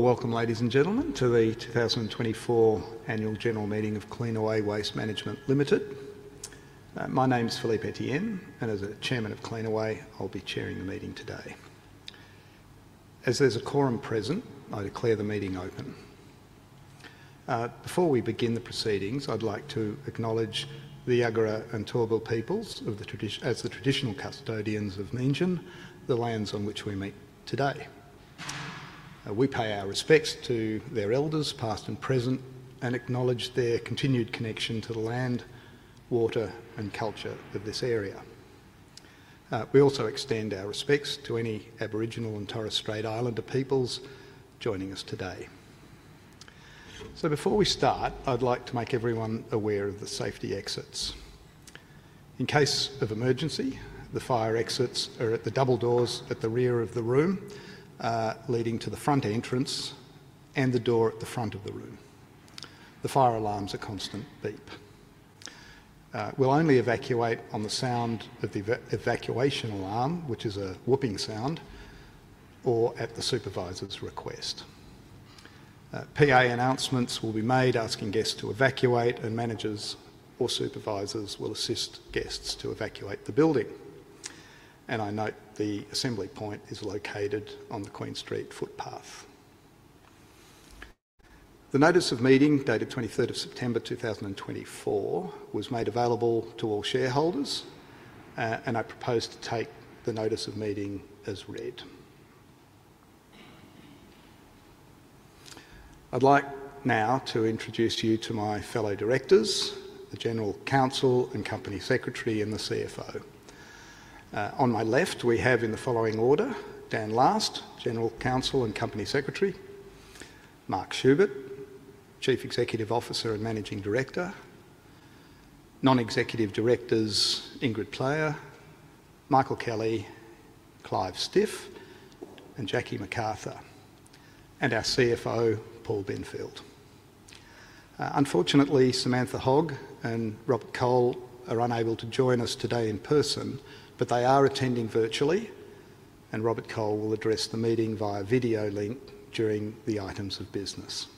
Welcome, ladies and gentlemen, to the two thousand and twenty-four Annual General Meeting of Cleanaway Waste Management Limited. My name is Philippe Etienne, and as the chairman of Cleanaway, I'll be chairing the meeting today. As there's a quorum present, I declare the meeting open. Before we begin the proceedings, I'd like to acknowledge the Jagera and Turrbal peoples as the traditional custodians of Meanjin, the lands on which we meet today. We pay our respects to their elders, past and present, and acknowledge their continued connection to the land, water, and culture of this area. We also extend our respects to any Aboriginal and Torres Strait Islander peoples joining us today. Before we start, I'd like to make everyone aware of the safety exits. In case of emergency, the fire exits are at the double doors at the rear of the room, leading to the front entrance and the door at the front of the room. The fire alarms are constant beep. We'll only evacuate on the sound of the evacuation alarm, which is a whooping sound, or at the supervisor's request. PA announcements will be made asking guests to evacuate, and managers or supervisors will assist guests to evacuate the building, and I note the assembly point is located on the Queen Street footpath. The notice of meeting, dated twenty-third of September, two thousand and twenty-four, was made available to all shareholders, and I propose to take the notice of meeting as read. I'd like now to introduce you to my fellow directors, the general counsel and company secretary, and the CFO. On my left, we have in the following order: Dan Last, General Counsel and Company Secretary, Mark Schubert, Chief Executive Officer and Managing Director, Non-Executive Directors, Ingrid Player, Michael Kelly, Clive Stiff, and Jackie McArthur, and our CFO, Paul Benfield. Unfortunately, Samantha Hogg and Robert Cole are unable to join us today in person, but they are attending virtually, and Robert Cole will address the meeting via video link during the items of business.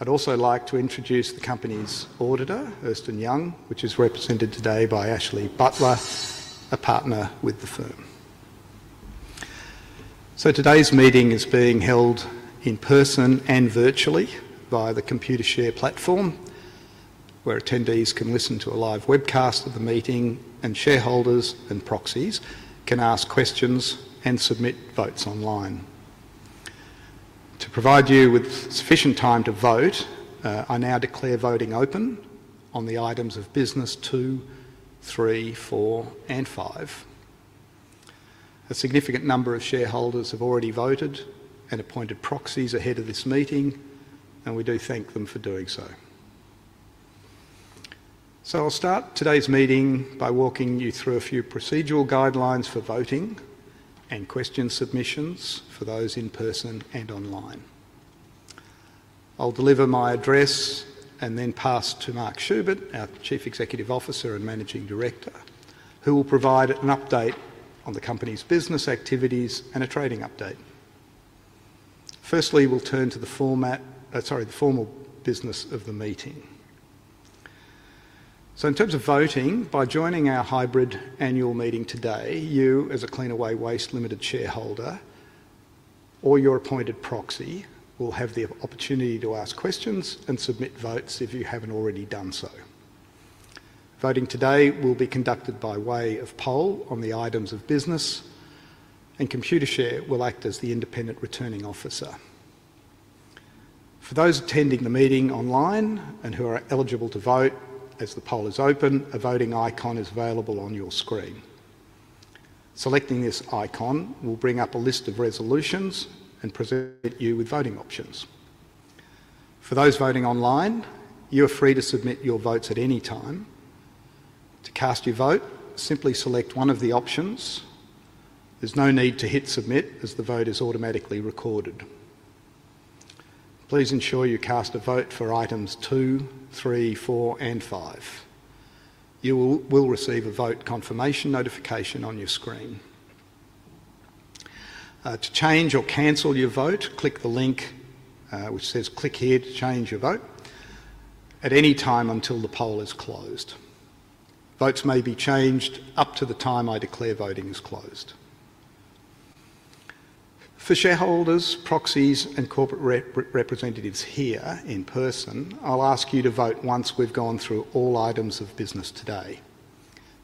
I'd also like to introduce the company's auditor, Ernst & Young, which is represented today by Ashley Butler, a partner with the firm. So today's meeting is being held in person and virtually via the Computershare platform, where attendees can listen to a live webcast of the meeting, and shareholders and proxies can ask questions and submit votes online. To provide you with sufficient time to vote, I now declare voting open on the items of business two, three, four, and five. A significant number of shareholders have already voted and appointed proxies ahead of this meeting, and we do thank them for doing so. So I'll start today's meeting by walking you through a few procedural guidelines for voting and question submissions for those in person and online. I'll deliver my address and then pass to Mark Schubert, our Chief Executive Officer and Managing Director, who will provide an update on the company's business activities and a trading update. Firstly, we'll turn to the formal business of the meeting. In terms of voting, by joining our hybrid annual meeting today, you, as a Cleanaway Waste Management Limited shareholder or your appointed proxy, will have the opportunity to ask questions and submit votes if you haven't already done so. Voting today will be conducted by way of poll on the items of business, and Computershare will act as the independent returning officer. For those attending the meeting online and who are eligible to vote as the poll is open, a voting icon is available on your screen. Selecting this icon will bring up a list of resolutions and present you with voting options. For those voting online, you are free to submit your votes at any time. To cast your vote, simply select one of the options. There's no need to hit Submit, as the vote is automatically recorded. Please ensure you cast a vote for items two, three, four, and five. You will receive a vote confirmation notification on your screen. To change or cancel your vote, click the link, which says, "Click here to change your vote," at any time until the poll is closed. Votes may be changed up to the time I declare voting is closed. For shareholders, proxies, and corporate representatives here in person, I'll ask you to vote once we've gone through all items of business today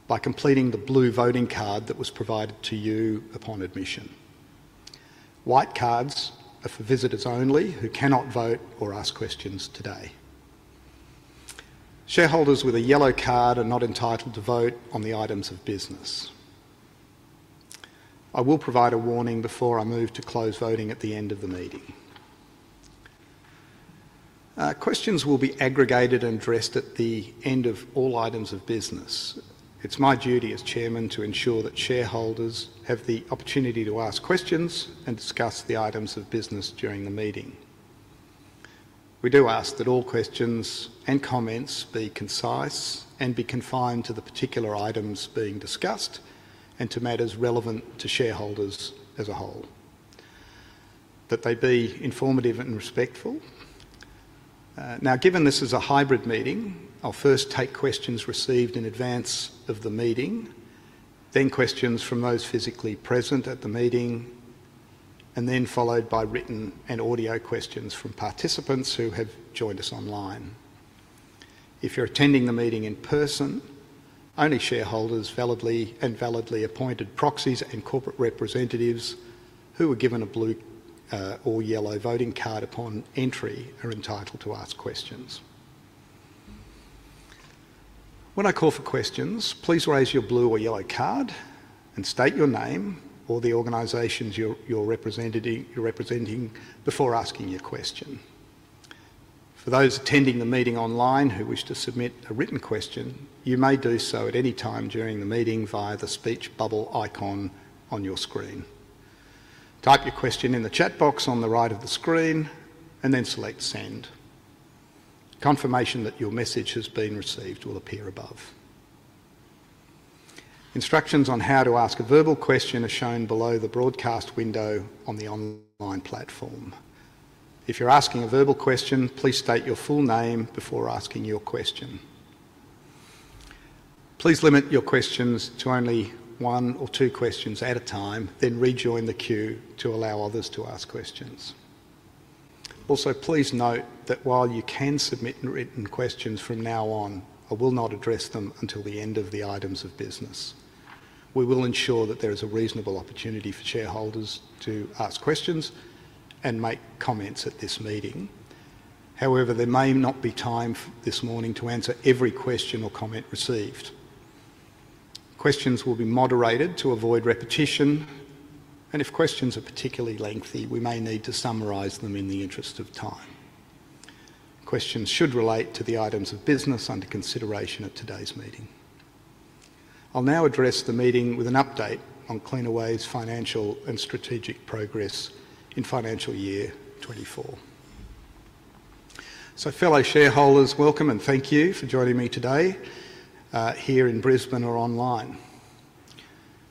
by completing the blue voting card that was provided to you upon admission. White cards are for visitors only who cannot vote or ask questions today. Shareholders with a yellow card are not entitled to vote on the items of business. I will provide a warning before I move to close voting at the end of the meeting. Questions will be aggregated and addressed at the end of all items of business. It's my duty as chairman to ensure that shareholders have the opportunity to ask questions and discuss the items of business during the meeting. We do ask that all questions and comments be concise and be confined to the particular items being discussed and to matters relevant to shareholders as a whole, that they be informative and respectful. Now, given this is a hybrid meeting, I'll first take questions received in advance of the meeting, then questions from those physically present at the meeting, and then followed by written and audio questions from participants who have joined us online. If you're attending the meeting in person, only shareholders and validly appointed proxies and corporate representatives who were given a blue or yellow voting card upon entry are entitled to ask questions. When I call for questions, please raise your blue or yellow card and state your name or the organizations you're representing before asking your question. For those attending the meeting online who wish to submit a written question, you may do so at any time during the meeting via the speech bubble icon on your screen. Type your question in the chat box on the right of the screen, and then select Send. Confirmation that your message has been received will appear above. Instructions on how to ask a verbal question are shown below the broadcast window on the online platform. If you're asking a verbal question, please state your full name before asking your question. Please limit your questions to only one or two questions at a time, then rejoin the queue to allow others to ask questions. Also, please note that while you can submit written questions from now on, I will not address them until the end of the items of business. We will ensure that there is a reasonable opportunity for shareholders to ask questions and make comments at this meeting. However, there may not be time for this morning to answer every question or comment received. Questions will be moderated to avoid repetition, and if questions are particularly lengthy, we may need to summarize them in the interest of time. Questions should relate to the items of business under consideration at today's meeting. I'll now address the meeting with an update on Cleanaway's financial and strategic progress in financial year 2024. So, fellow shareholders, welcome and thank you for joining me today here in Brisbane or online.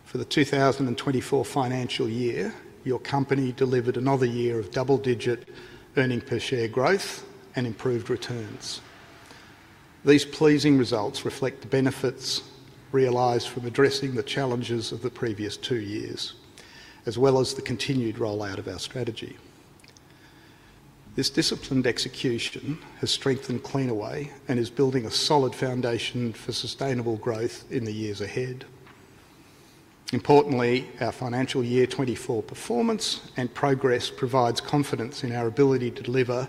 For the two thousand and twenty-four financial year, your company delivered another year of double-digit earnings per share growth and improved returns. These pleasing results reflect the benefits realized from addressing the challenges of the previous two years, as well as the continued rollout of our strategy. This disciplined execution has strengthened Cleanaway and is building a solid foundation for sustainable growth in the years ahead. Importantly, our financial year twenty-four performance and progress provides confidence in our ability to deliver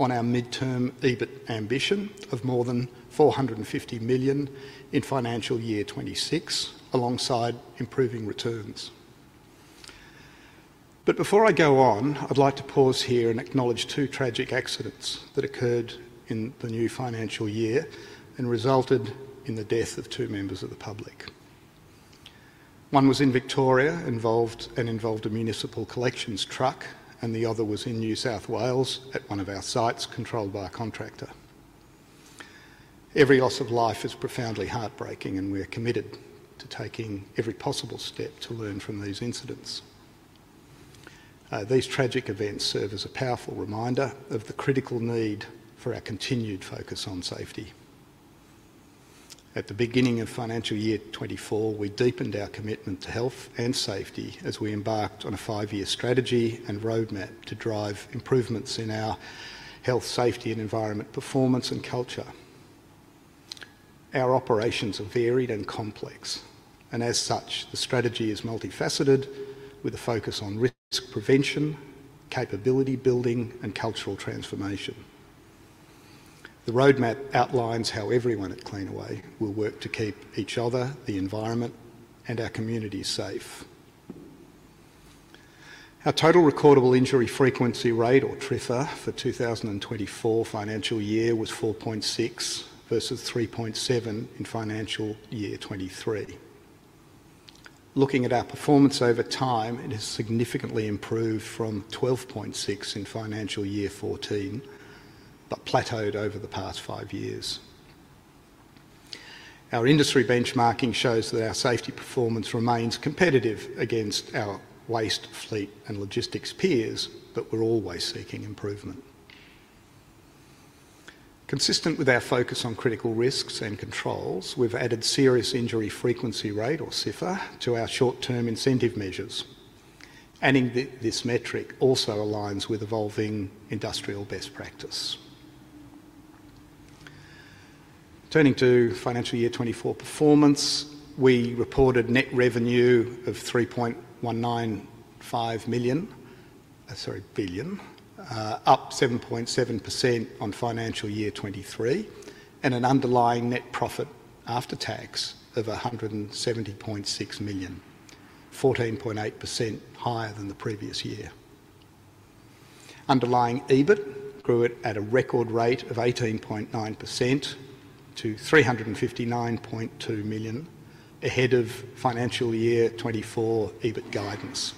on our midterm EBIT ambition of more than four hundred and fifty million in financial year twenty-six, alongside improving returns. But before I go on, I'd like to pause here and acknowledge two tragic accidents that occurred in the new financial year and resulted in the death of two members of the public. One was in Victoria, involved a municipal collections truck, and the other was in New South Wales at one of our sites controlled by a contractor. Every loss of life is profoundly heartbreaking, and we are committed to taking every possible step to learn from these incidents. These tragic events serve as a powerful reminder of the critical need for our continued focus on safety. At the beginning of financial year 2024, we deepened our commitment to health and safety as we embarked on a five-year strategy and roadmap to drive improvements in our health, safety, and environment performance and culture. Our operations are varied and complex, and as such, the strategy is multifaceted with a focus on risk prevention, capability building, and cultural transformation. The roadmap outlines how everyone at Cleanaway will work to keep each other, the environment, and our communities safe. Our total recordable injury frequency rate, or TRIFR, for two thousand and twenty-four financial year was 4.6 versus 3.7 in financial year twenty-three. Looking at our performance over time, it has significantly improved from 12.6 in financial year fourteen, but plateaued over the past five years. Our industry benchmarking shows that our safety performance remains competitive against our waste fleet and logistics peers, but we're always seeking improvement. Consistent with our focus on critical risks and controls, we've added serious injury frequency rate, or SIFR, to our short-term incentive measures. Adding this metric also aligns with evolving industrial best practice. Turning to financial year 2024 performance, we reported net revenue of 3.195 billion, up 7.7% on financial year 2023, and an underlying net profit after tax of 170.6 million, 14.8% higher than the previous year. Underlying EBIT grew at a record rate of 18.9% to 359.2 million ahead of financial year 2024 EBIT guidance.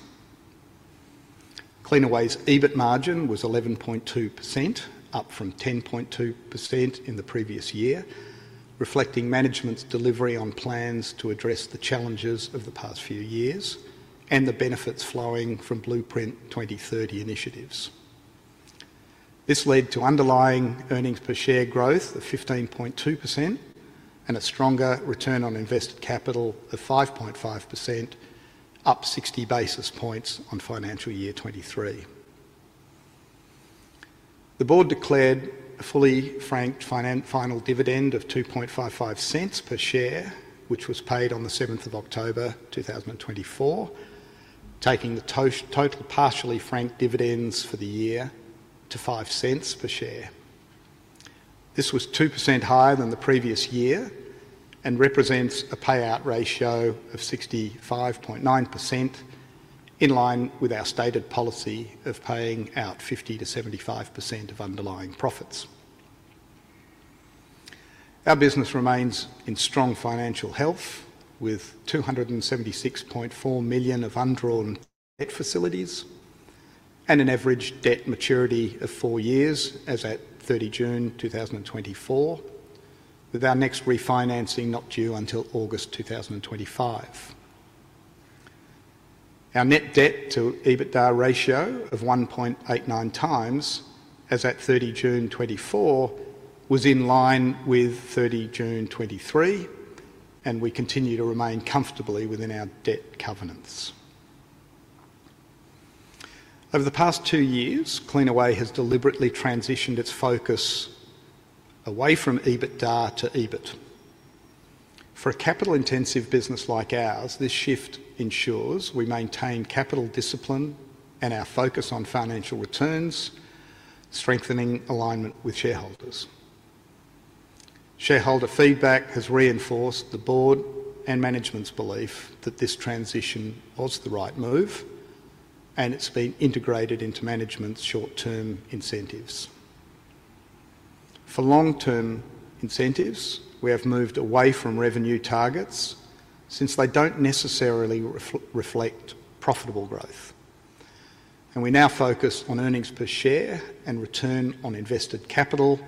Cleanaway's EBIT margin was 11.2%, up from 10.2% in the previous year, reflecting management's delivery on plans to address the challenges of the past few years and the benefits flowing from Blueprint 2030 initiatives. This led to underlying earnings per share growth of 15.2% and a stronger return on invested capital of 5.5%, up 60 basis points on financial year 2023. The board declared a fully franked final dividend of 0.0255 per share, which was paid on the seventh of October, 2024, taking the total partially franked dividends for the year to 0.05 per share. This was 2% higher than the previous year and represents a payout ratio of 65.9%, in line with our stated policy of paying out 50%-75% of underlying profits. Our business remains in strong financial health, with 276.4 million of undrawn debt facilities and an average debt maturity of 4 years as at 30 June 2024, with our next refinancing not due until August 2025. Our net debt to EBITDA ratio of 1.89 times, as at 30 June 2024, was in line with 30 June 2023, and we continue to remain comfortably within our debt covenants. Over the past 2 years, Cleanaway has deliberately transitioned its focus away from EBITDA to EBIT. For a capital-intensive business like ours, this shift ensures we maintain capital discipline and our focus on financial returns, strengthening alignment with shareholders. Shareholder feedback has reinforced the board and management's belief that this transition was the right move, and it's been integrated into management's short-term incentives. For long-term incentives, we have moved away from revenue targets since they don't necessarily reflect profitable growth, and we now focus on earnings per share and return on invested capital,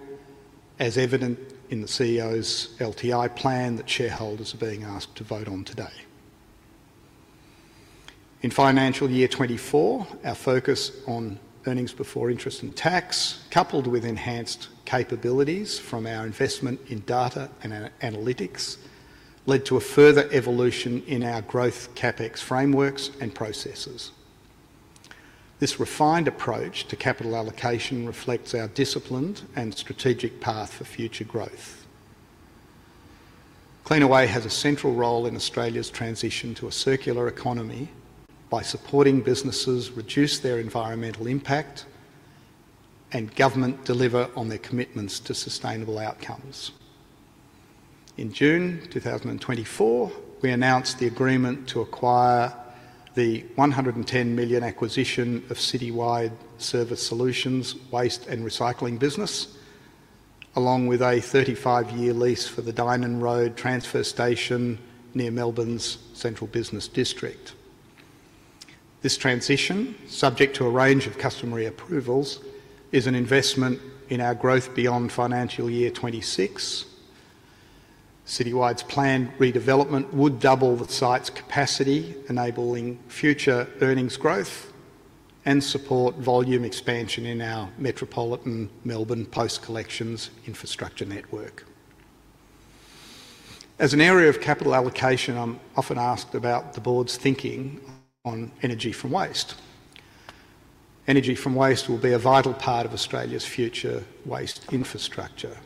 as evident in the CEO's LTI plan that shareholders are being asked to vote on today. In financial year twenty-four, our focus on earnings before interest and tax, coupled with enhanced capabilities from our investment in data and analytics, led to a further evolution in our growth CapEx frameworks and processes. This refined approach to capital allocation reflects our disciplined and strategic path for future growth. Cleanaway has a central role in Australia's transition to a circular economy by supporting businesses reduce their environmental impact and government deliver on their commitments to sustainable outcomes. In June 2024, we announced the agreement to acquire the 110 million acquisition of Citywide Service Solutions' waste and recycling business, along with a 35-year lease for the Dynon Road Transfer Station near Melbourne's central business district. This transition, subject to a range of customary approvals, is an investment in our growth beyond financial year twenty-six. Citywide's planned redevelopment would double the site's capacity, enabling future earnings growth and support volume expansion in our metropolitan Melbourne post collections infrastructure network. As an area of capital allocation, I'm often asked about the board's thinking on energy from waste. Energy from waste will be a vital part of Australia's future waste infrastructure,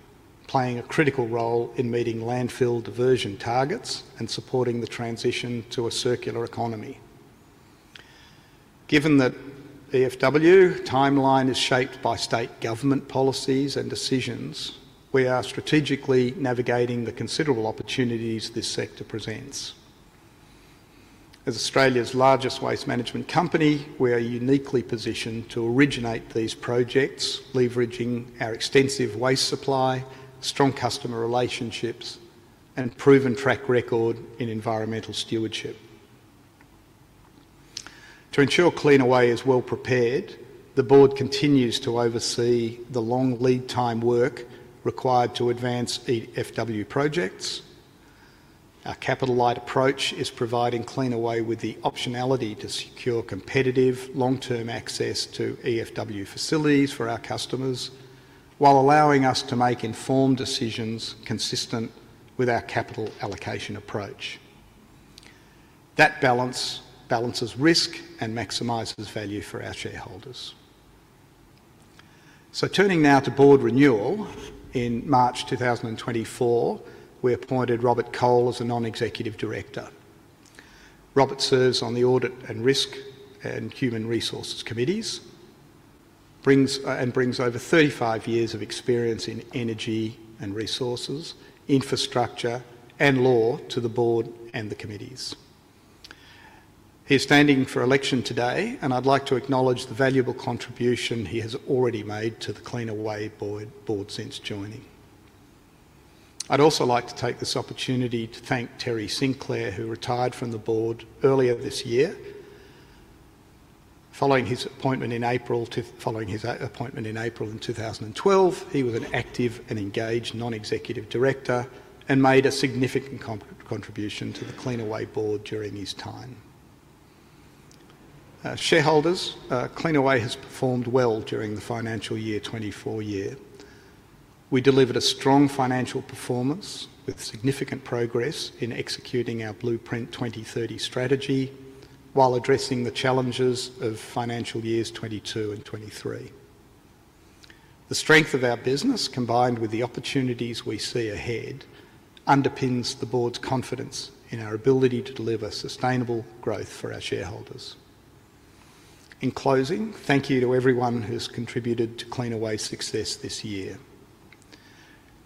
playing a critical role in meeting landfill diversion targets and supporting the transition to a circular economy. Given that EFW timeline is shaped by state government policies and decisions, we are strategically navigating the considerable opportunities this sector presents. As Australia's largest waste management company, we are uniquely positioned to originate these projects, leveraging our extensive waste supply, strong customer relationships, and proven track record in environmental stewardship. To ensure Cleanaway is well-prepared, the board continues to oversee the long lead time work required to advance EFW projects. Our capital-light approach is providing Cleanaway with the optionality to secure competitive long-term access to EFW facilities for our customers, while allowing us to make informed decisions consistent with our capital allocation approach. That balance balances risk and maximizes value for our shareholders. Turning now to board renewal, in March 2024, we appointed Robert Cole as a non-executive director. Robert serves on the Audit and Risk and Human Resources committees and brings over thirty-five years of experience in energy and resources, infrastructure, and law to the board and the committees. He's standing for election today, and I'd like to acknowledge the valuable contribution he has already made to the Cleanaway board since joining. I'd also like to take this opportunity to thank Terry Sinclair, who retired from the board earlier this year. Following his appointment in April 2012, he was an active and engaged non-executive director and made a significant contribution to the Cleanaway board during his time. Shareholders, Cleanaway has performed well during the financial year '24. We delivered a strong financial performance with significant progress in executing our Blueprint 2030 strategy, while addressing the challenges of financial years 2022 and 2023. The strength of our business, combined with the opportunities we see ahead, underpins the board's confidence in our ability to deliver sustainable growth for our shareholders. In closing, thank you to everyone who's contributed to Cleanaway's success this year.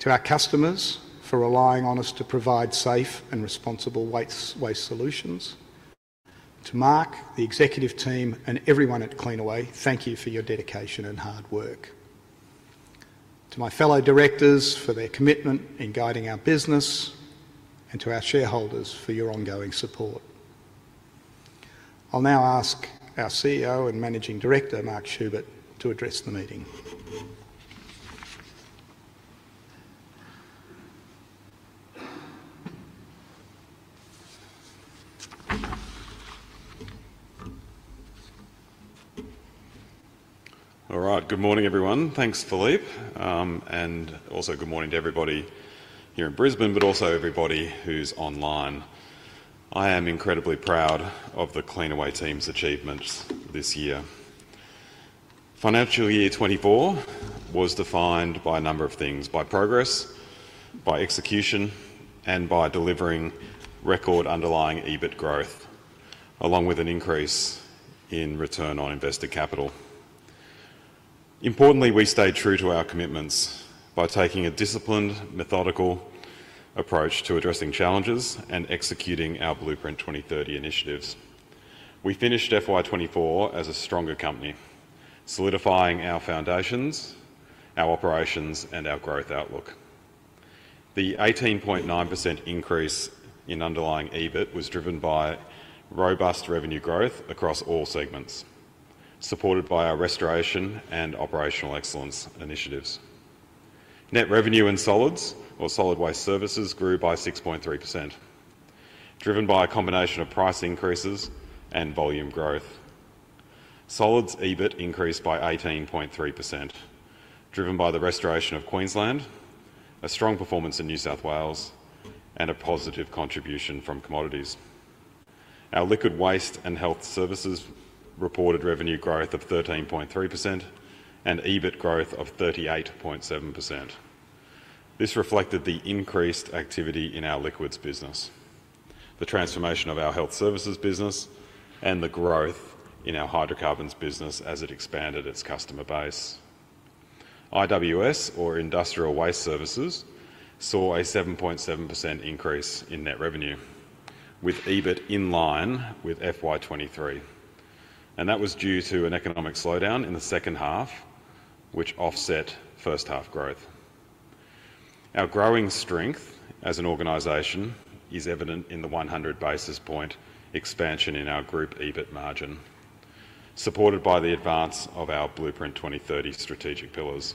To our customers, for relying on us to provide safe and responsible waste, waste solutions. To Mark, the executive team, and everyone at Cleanaway, thank you for your dedication and hard work. To my fellow directors, for their commitment in guiding our business, and to our shareholders, for your ongoing support. I'll now ask our CEO and Managing Director, Mark Schubert, to address the meeting. All right. Good morning, everyone. Thanks, Philippe. And also good morning to everybody here in Brisbane, but also everybody who's online. I am incredibly proud of the Cleanaway team's achievements this year. Financial year 2024 was defined by a number of things: by progress, by execution, and by delivering record underlying EBIT growth, along with an increase in return on invested capital. Importantly, we stayed true to our commitments by taking a disciplined, methodical approach to addressing challenges and executing our Blueprint 2030 initiatives. We finished FY 2024 as a stronger company, solidifying our foundations, our operations, and our growth outlook. The 18.9% increase in underlying EBIT was driven by robust revenue growth across all segments, supported by our restoration and operational excellence initiatives. Net revenue in solids or Solid Waste Services grew by 6.3%, driven by a combination of price increases and volume growth. Solids EBIT increased by 18.3%, driven by the restoration of Queensland, a strong performance in New South Wales, and a positive contribution from commodities. Our Liquid Waste and Health Services reported revenue growth of 13.3% and EBIT growth of 38.7%. This reflected the increased activity in our liquids business, the transformation of our health services business, and the growth in our hydrocarbons business as it expanded its customer base. IWS, or Industrial Waste Services, saw a 7.7% increase in net revenue, with EBIT in line with FY 2023, and that was due to an economic slowdown in the second half, which offset first half growth. Our growing strength as an organization is evident in the 100 basis point expansion in our group EBIT margin, supported by the advance of our Blueprint 2030 strategic pillars.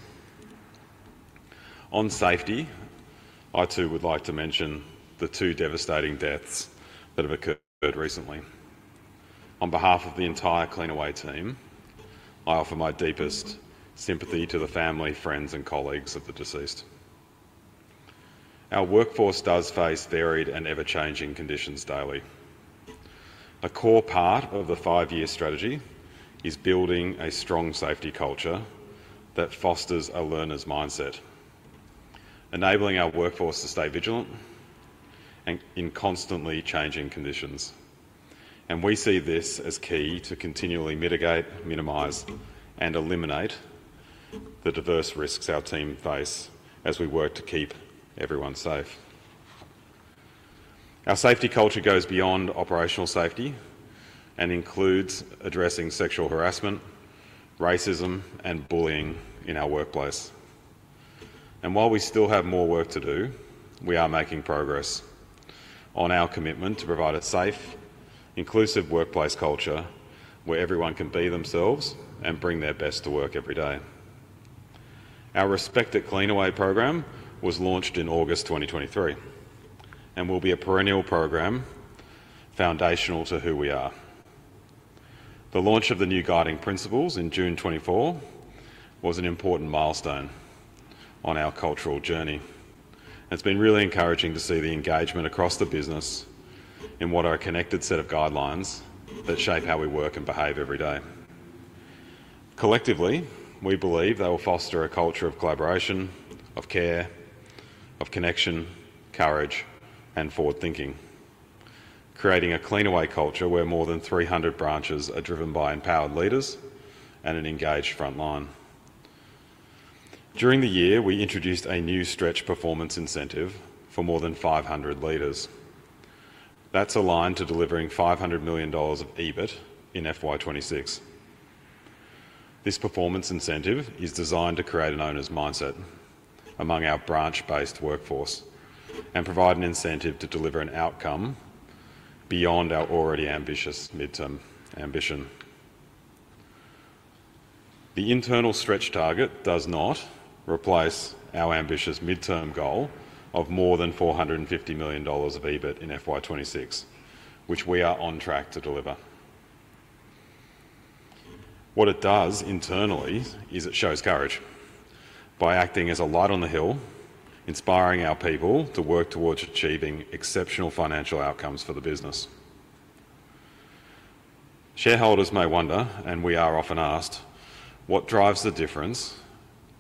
On safety, I too would like to mention the two devastating deaths that have occurred recently. On behalf of the entire Cleanaway team, I offer my deepest sympathy to the family, friends, and colleagues of the deceased. Our workforce does face varied and ever-changing conditions daily. A core part of the five-year strategy is building a strong safety culture that fosters a learner's mindset, enabling our workforce to stay vigilant and in constantly changing conditions, and we see this as key to continually mitigate, minimize, and eliminate the diverse risks our team face as we work to keep everyone safe. Our safety culture goes beyond operational safety and includes addressing sexual harassment, racism, and bullying in our workplace, and while we still have more work to do, we are making progress on our commitment to provide a safe, inclusive workplace culture where everyone can be themselves and bring their best to work every day. Our Respect at Cleanaway program was launched in August 2023 and will be a perennial program foundational to who we are. The launch of the new Guiding Principles in June 2024 was an important milestone on our cultural journey. It's been really encouraging to see the engagement across the business in what are a connected set of guidelines that shape how we work and behave every day. Collectively, we believe they will foster a culture of collaboration, of care, of connection, courage, and forward-thinking, creating a Cleanaway culture where more than three hundred branches are driven by empowered leaders and an engaged frontline. During the year, we introduced a new stretch performance incentive for more than five hundred leaders. That's aligned to delivering 500 million dollars of EBIT in FY 2026. This performance incentive is designed to create an owner's mindset among our branch-based workforce and provide an incentive to deliver an outcome beyond our already ambitious midterm ambition. The internal stretch target does not replace our ambitious midterm goal of more than 450 million dollars of EBIT in FY 2026, which we are on track to deliver. What it does internally is it shows courage by acting as a light on the hill, inspiring our people to work towards achieving exceptional financial outcomes for the business. Shareholders may wonder, and we are often asked, what drives the difference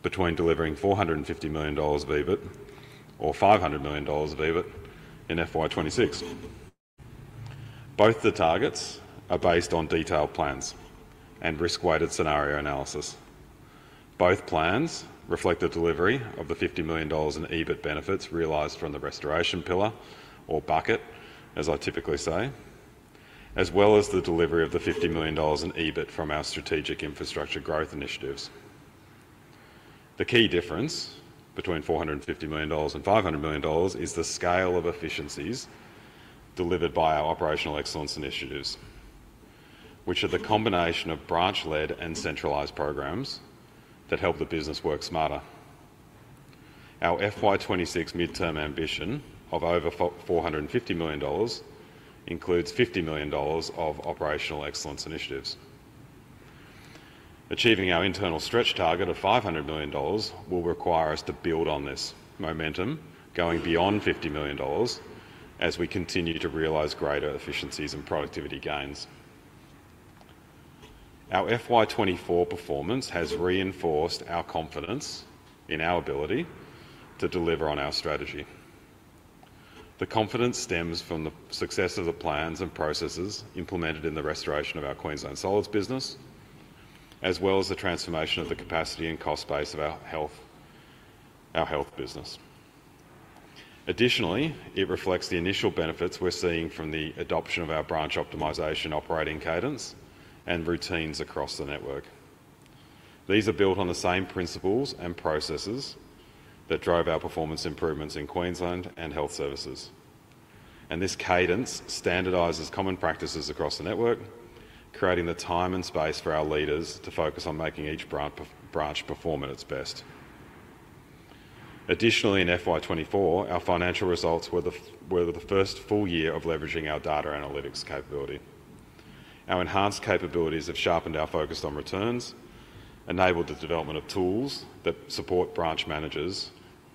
between delivering 450 million dollars of EBIT or 500 million dollars of EBIT in FY 2026? Both the targets are based on detailed plans and risk-weighted scenario analysis. Both plans reflect the delivery of the 50 million dollars in EBIT benefits realized from the restoration pillar, or bucket, as I typically say, as well as the delivery of the 50 million dollars in EBIT from our strategic infrastructure growth initiatives. The key difference between 450 million dollars and 500 million dollars is the scale of efficiencies delivered by our operational excellence initiatives, which are the combination of branch-led and centralized programs that help the business work smarter. Our FY 2026 midterm ambition of over 450 million dollars includes 50 million dollars of operational excellence initiatives. Achieving our internal stretch target of 500 million dollars will require us to build on this momentum, going beyond 50 million dollars as we continue to realize greater efficiencies and productivity gains. Our FY 2024 performance has reinforced our confidence in our ability to deliver on our strategy. The confidence stems from the success of the plans and processes implemented in the restoration of our Queensland Solids business, as well as the transformation of the capacity and cost base of our health business. Additionally, it reflects the initial benefits we're seeing from the adoption of our branch optimization operating cadence and routines across the network. These are built on the same principles and processes that drove our performance improvements in Queensland and health services, and this cadence standardizes common practices across the network, creating the time and space for our leaders to focus on making each branch per branch perform at its best. Additionally, in FY twenty-four, our financial results were the first full year of leveraging our data analytics capability. Our enhanced capabilities have sharpened our focus on returns, enabled the development of tools that support branch managers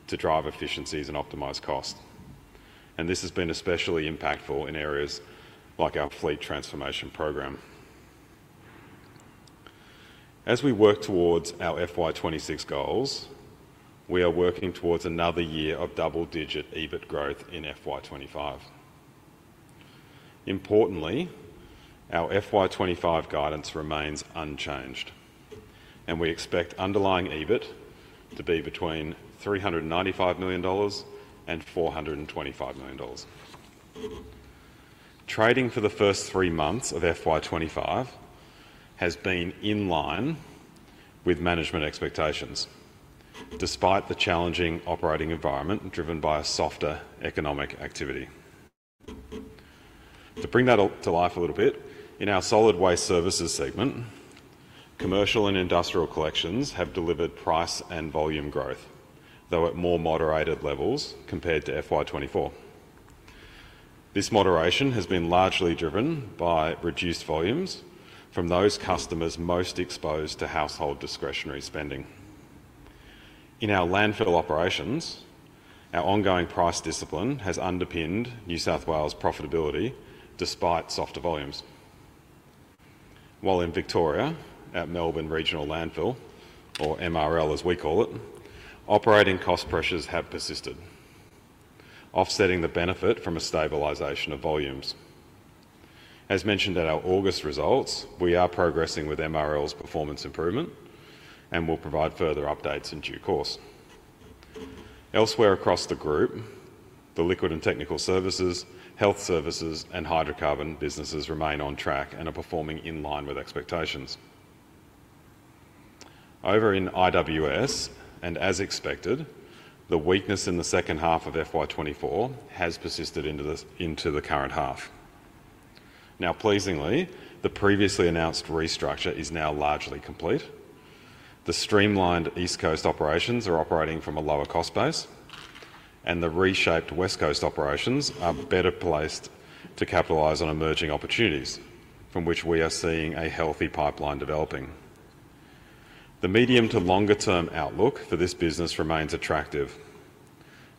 to drive efficiencies and optimize cost, and this has been especially impactful in areas like our fleet transformation program. As we work towards our FY twenty-six goals, we are working towards another year of double-digit EBIT growth in FY twenty-five. Importantly, our FY 2025 guidance remains unchanged, and we expect underlying EBIT to be between 395 million dollars and 425 million dollars. Trading for the first three months of FY 2025 has been in line with management expectations, despite the challenging operating environment driven by a softer economic activity. To bring that to life a little bit, in our solid waste services segment, commercial and industrial collections have delivered price and volume growth, though at more moderated levels compared to FY 2024. This moderation has been largely driven by reduced volumes from those customers most exposed to household discretionary spending. In our landfill operations, our ongoing price discipline has underpinned New South Wales profitability despite softer volumes. While in Victoria, at Melbourne Regional Landfill, or MRL, as we call it, operating cost pressures have persisted, offsetting the benefit from a stabilization of volumes. As mentioned at our August results, we are progressing with MRL's performance improvement and will provide further updates in due course. Elsewhere across the group, the liquid and technical services, health services, and hydrocarbon businesses remain on track and are performing in line with expectations. Over in IWS, and as expected, the weakness in the second half of FY 2024 has persisted into the current half. Now, pleasingly, the previously announced restructure is now largely complete. The streamlined East Coast operations are operating from a lower cost base, and the reshaped West Coast operations are better placed to capitalize on emerging opportunities from which we are seeing a healthy pipeline developing. The medium to longer term outlook for this business remains attractive,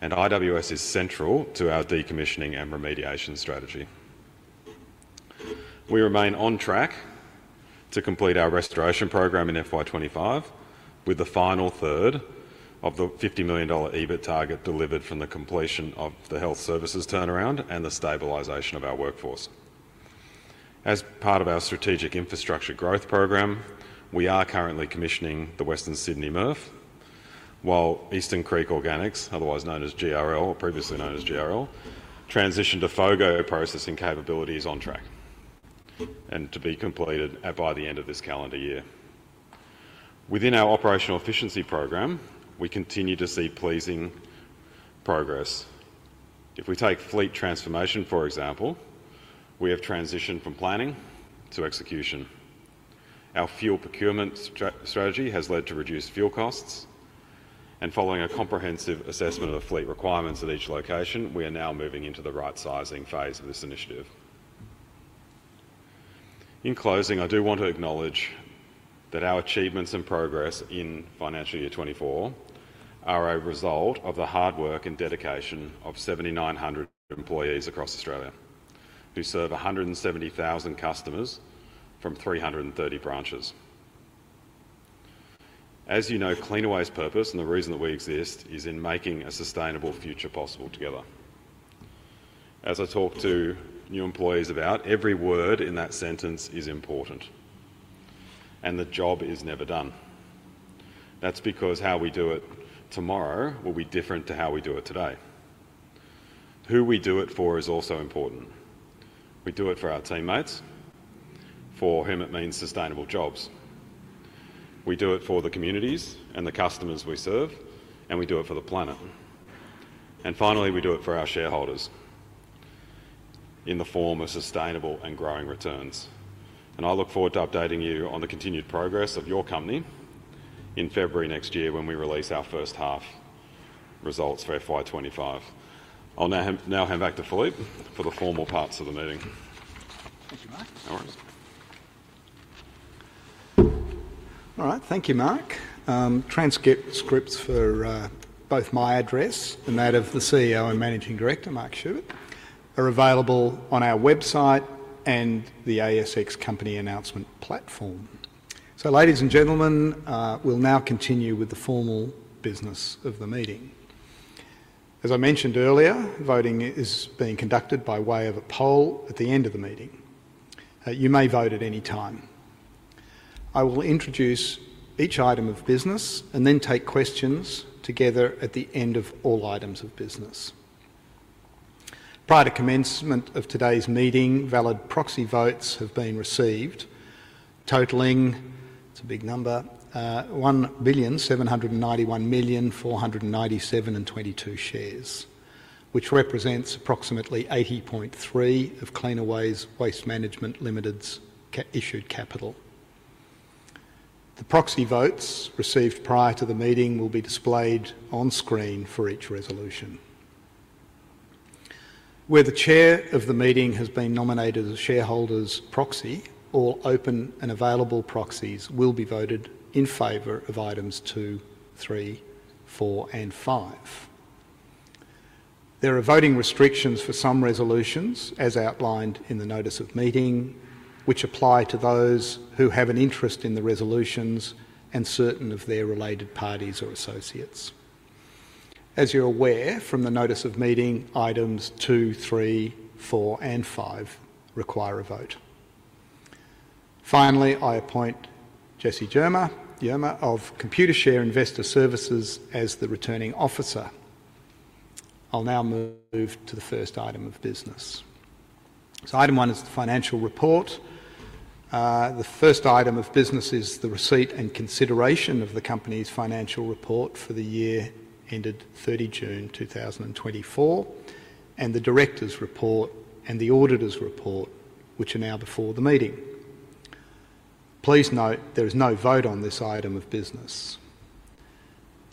and IWS is central to our decommissioning and remediation strategy. We remain on track to complete our restoration program in FY twenty-five, with the final third of the 50 million dollar EBIT target delivered from the completion of the health services turnaround and the stabilization of our workforce. As part of our strategic infrastructure growth program, we are currently commissioning the Western Sydney MRF, while Eastern Creek Organics, otherwise known as GRL, or previously known as GRL, transition to FOGO processing capability is on track, and to be completed by the end of this calendar year. Within our operational efficiency program, we continue to see pleasing progress. If we take fleet transformation, for example, we have transitioned from planning to execution. Our fuel procurement strategy has led to reduced fuel costs, and following a comprehensive assessment of the fleet requirements at each location, we are now moving into the right-sizing phase of this initiative. In closing, I do want to acknowledge that our achievements and progress in financial year '24 are a result of the hard work and dedication of 7,900 employees across Australia, who serve 170,000 customers from 330 branches. As you know, Cleanaway's purpose, and the reason that we exist, is in making a sustainable future possible together. As I talk to new employees about, every word in that sentence is important, and the job is never done. That's because how we do it tomorrow will be different to how we do it today. Who we do it for is also important. We do it for our teammates, for whom it means sustainable jobs. We do it for the communities and the customers we serve, and we do it for the planet. And finally, we do it for our shareholders in the form of sustainable and growing returns. And I look forward to updating you on the continued progress of your company in February next year when we release our first half results for FY twenty-five. I'll now hand back to Philippe for the formal parts of the meeting. Thank you, Mark. No worries. All right. Thank you, Mark. Transcripts for both my address and that of the CEO and Managing Director, Mark Schubert, are available on our website and the ASX company announcement platform. So, ladies and gentlemen, we'll now continue with the formal business of the meeting. As I mentioned earlier, voting is being conducted by way of a poll at the end of the meeting. You may vote at any time. I will introduce each item of business and then take questions together at the end of all items of business. Prior to commencement of today's meeting, valid proxy votes have been received, totaling, it's a big number, one billion seven hundred and ninety-one million, four hundred and ninety-seven and twenty-two shares, which represents approximately 80.3% of Cleanaway Waste Management Limited's issued capital. The proxy votes received prior to the meeting will be displayed on screen for each resolution. Where the chair of the meeting has been nominated as a shareholder's proxy, all open and available proxies will be voted in favor of items two, three, four, and five. There are voting restrictions for some resolutions, as outlined in the notice of meeting, which apply to those who have an interest in the resolutions and certain of their related parties or associates. As you're aware from the notice of meeting, items two, three, four, and five require a vote. Finally, I appoint Jesse Germer of Computershare Investor Services, as the Returning Officer. I'll now move to the first item of business so item one is the financial report. The first item of business is the receipt and consideration of the company's financial report for the year ended thirty June two thousand and twenty-four, and the directors' report and the auditors' report, which are now before the meeting. Please note, there is no vote on this item of business.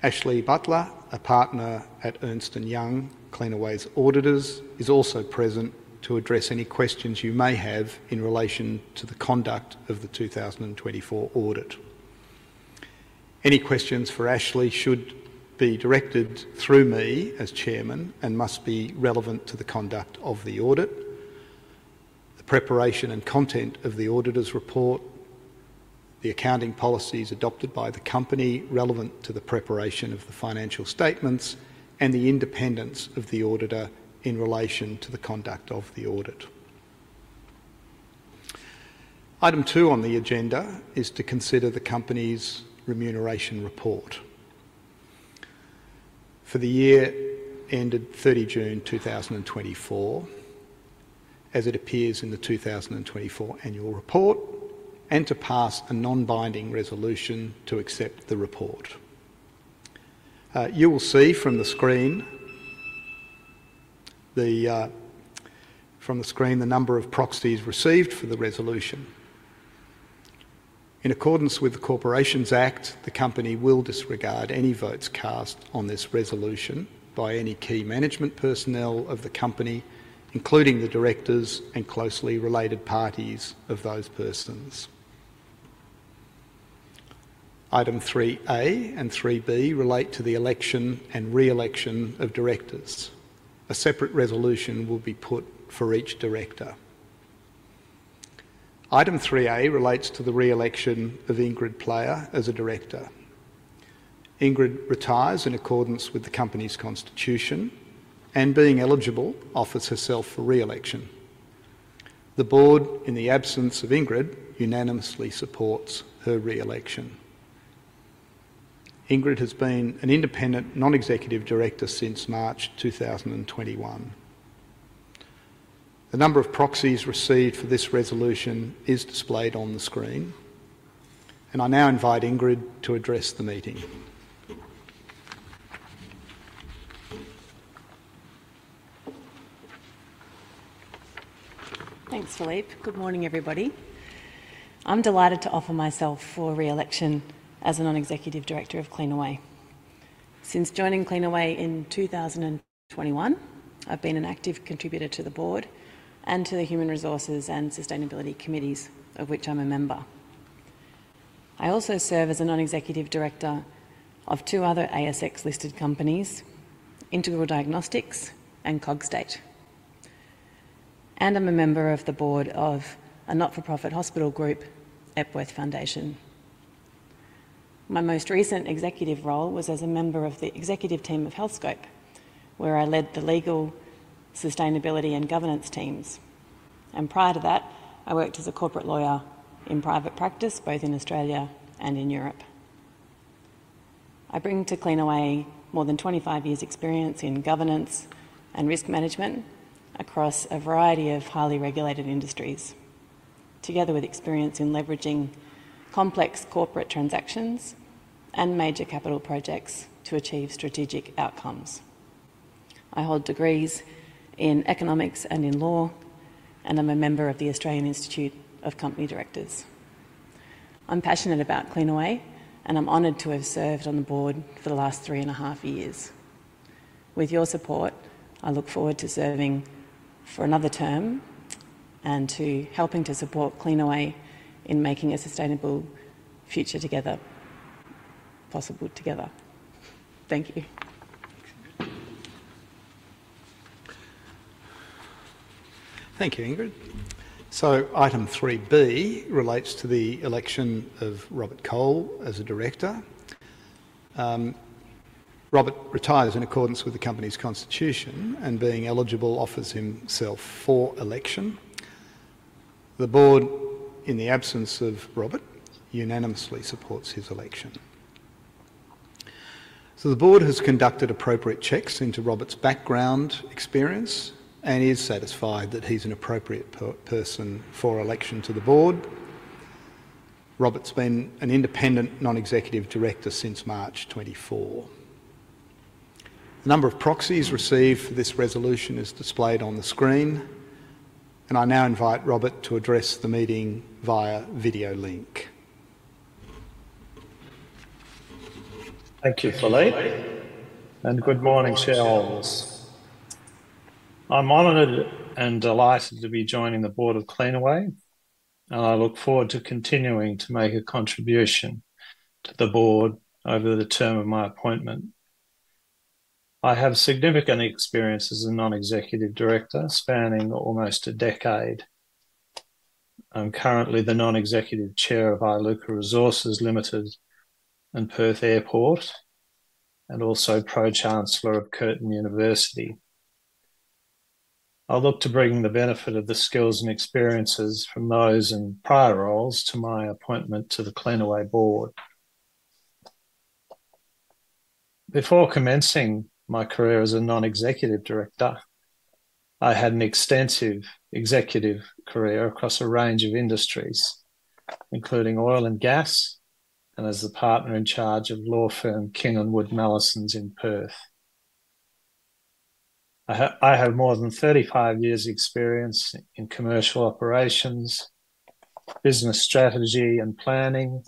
Ashley Butler, a partner at Ernst & Young, Cleanaway's auditors, is also present to address any questions you may have in relation to the conduct of the two thousand and twenty-four audit. Any questions for Ashley should be directed through me, as chairman, and must be relevant to the conduct of the audit, the preparation and content of the auditor's report, the accounting policies adopted by the company relevant to the preparation of the financial statements, and the independence of the auditor in relation to the conduct of the audit. Item two on the agenda is to consider the company's remuneration report for the year ended thirty June two thousand and twenty-four, as it appears in the two thousand and twenty-four annual report, and to pass a non-binding resolution to accept the report. You will see from the screen the number of proxies received for the resolution. In accordance with the Corporations Act, the company will disregard any votes cast on this resolution by any key management personnel of the company, including the directors and closely related parties of those persons. Item three A and three B relate to the election and re-election of directors. A separate resolution will be put for each director. Item three A relates to the re-election of Ingrid Player as a director. Ingrid retires in accordance with the company's constitution, and being eligible, offers herself for re-election. The board, in the absence of Ingrid, unanimously supports her re-election. Ingrid has been an independent non-executive director since March two thousand and twenty-one. The number of proxies received for this resolution is displayed on the screen, and I now invite Ingrid to address the meeting. Thanks, Philippe. Good morning, everybody. I'm delighted to offer myself for re-election as a non-executive director of Cleanaway. Since joining Cleanaway in 2021, I've been an active contributor to the board and to the Human Resources and Sustainability Committees, of which I'm a member. I also serve as a non-executive director of two other ASX-listed companies, Integral Diagnostics and Cogstate, and I'm a member of the board of a not-for-profit hospital group, Epworth Foundation. My most recent executive role was as a member of the executive team of Healthscope, where I led the legal, sustainability, and governance teams, and prior to that, I worked as a corporate lawyer in private practice, both in Australia and in Europe. I bring to Cleanaway more than twenty-five years' experience in governance and risk management across a variety of highly regulated industries, together with experience in leveraging complex corporate transactions and major capital projects to achieve strategic outcomes. I hold degrees in economics and in law, and I'm a member of the Australian Institute of Company Directors. I'm passionate about Cleanaway, and I'm honored to have served on the board for the last three and a half years. With your support, I look forward to serving for another term and to helping to support Cleanaway in making a sustainable future together, possible together. Thank you. Thank you, Ingrid. So item three B relates to the election of Robert Cole as a director. Robert retires in accordance with the company's constitution, and being eligible, offers himself for election. The board, in the absence of Robert, unanimously supports his election. So the board has conducted appropriate checks into Robert's background, experience, and is satisfied that he's an appropriate person for election to the board. Robert's been an independent non-executive director since March 2024. The number of proxies received for this resolution is displayed on the screen, and I now invite Robert to address the meeting via video link. Thank you, Philippe, and good morning, shareholders. I'm honored and delighted to be joining the board of Cleanaway, and I look forward to continuing to make a contribution to the board over the term of my appointment. I have significant experience as a non-executive director, spanning almost a decade. I'm currently the non-executive chair of Iluka Resources Limited and Perth Airport, and also Pro-Chancellor of Curtin University. I look to bring the benefit of the skills and experiences from those and prior roles to my appointment to the Cleanaway board. Before commencing my career as a non-executive director, I had an extensive executive career across a range of industries, including oil and gas, and as the partner in charge of law firm King & Wood Mallesons in Perth. I have more than thirty-five years' experience in commercial operations, business strategy and planning,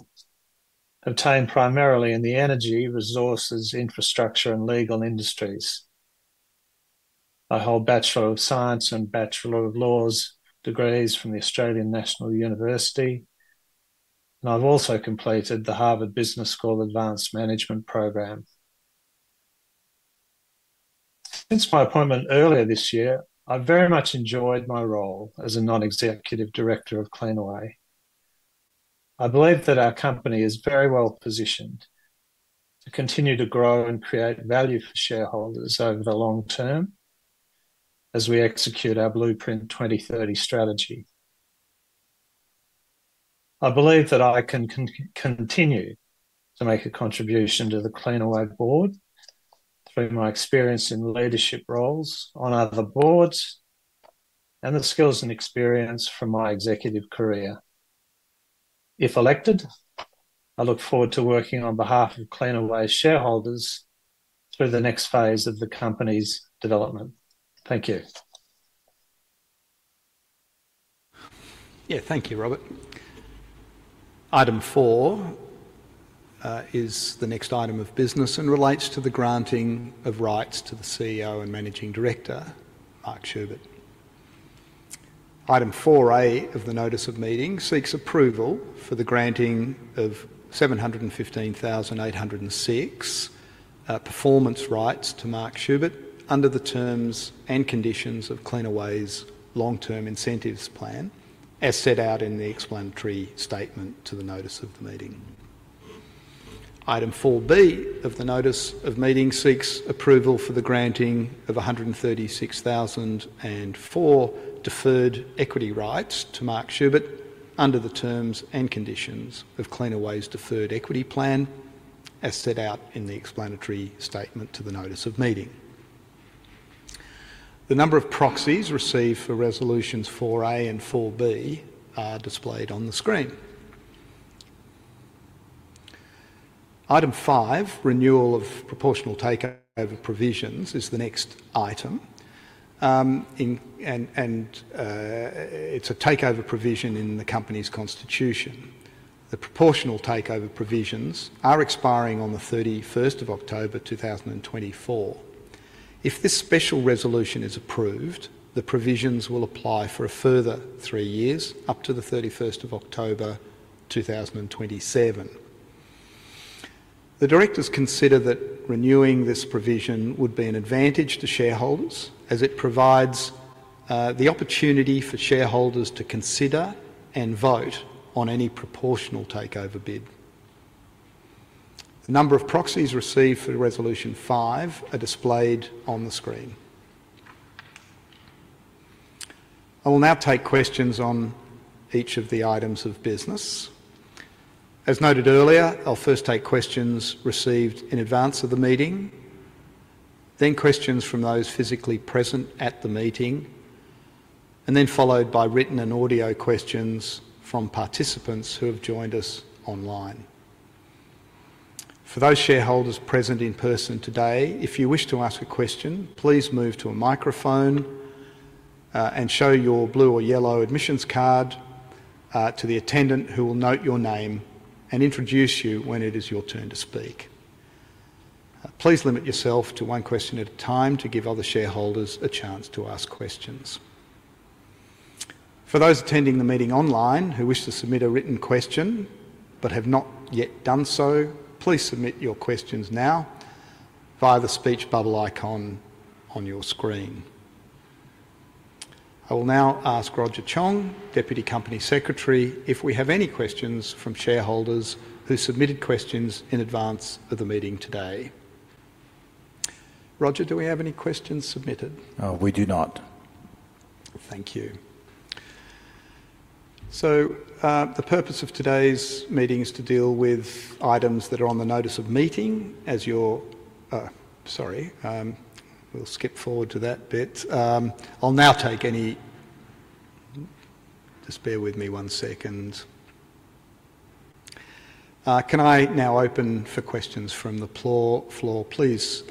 obtained primarily in the energy, resources, infrastructure, and legal industries. I hold Bachelor of Science and Bachelor of Laws degrees from the Australian National University, and I've also completed the Harvard Business School Advanced Management Program. Since my appointment earlier this year, I've very much enjoyed my role as a non-executive director of Cleanaway. I believe that our company is very well positioned to continue to grow and create value for shareholders over the long term as we execute our Blueprint 2030 strategy. I believe that I can continue to make a contribution to the Cleanaway board through my experience in leadership roles on other boards and the skills and experience from my executive career. If elected, I look forward to working on behalf of Cleanaway's shareholders through the next phase of the company's development. Thank you. Yeah. Thank you, Robert. Item four is the next item of business and relates to the granting of rights to the CEO and Managing Director, Mark Schubert. Item four A of the notice of meeting seeks approval for the granting of seven hundred and fifteen thousand eight hundred and six performance rights to Mark Schubert under the terms and conditions of Cleanaway's Long-Term Incentives Plan, as set out in the explanatory statement to the notice of the meeting. Item 4B of the notice of meeting seeks approval for the granting of a hundred and thirty-six thousand and four deferred equity rights to Mark Schubert under the terms and conditions of Cleanaway's Deferred Equity Plan, as set out in the explanatory statement to the notice of meeting. The number of proxies received for resolutions 4A and 4B are displayed on the screen. Item five, renewal of proportional takeover provisions, is the next item. It's a takeover provision in the company's constitution. The proportional takeover provisions are expiring on the thirty-first of October, two thousand and twenty-four. If this special resolution is approved, the provisions will apply for a further three years, up to the thirty-first of October, two thousand and twenty-seven. The directors consider that renewing this provision would be an advantage to shareholders, as it provides the opportunity for shareholders to consider and vote on any proportional takeover bid. The number of proxies received for resolution five are displayed on the screen. I will now take questions on each of the items of business. As noted earlier, I'll first take questions received in advance of the meeting, then questions from those physically present at the meeting, and then followed by written and audio questions from participants who have joined us online. For those shareholders present in person today, if you wish to ask a question, please move to a microphone, and show your blue or yellow admissions card to the attendant, who will note your name and introduce you when it is your turn to speak. Please limit yourself to one question at a time to give other shareholders a chance to ask questions. For those attending the meeting online who wish to submit a written question but have not yet done so, please submit your questions now via the speech bubble icon on your screen. I will now ask Roger Chong, Deputy Company Secretary, if we have any questions from shareholders who submitted questions in advance of the meeting today. Roger, do we have any questions submitted? We do not. Thank you. So, the purpose of today's meeting is to deal with items that are on the notice of meeting. Sorry, we'll skip forward to that bit. I'll now take any. Just bear with me one second. Can I now open for questions from the floor? Please,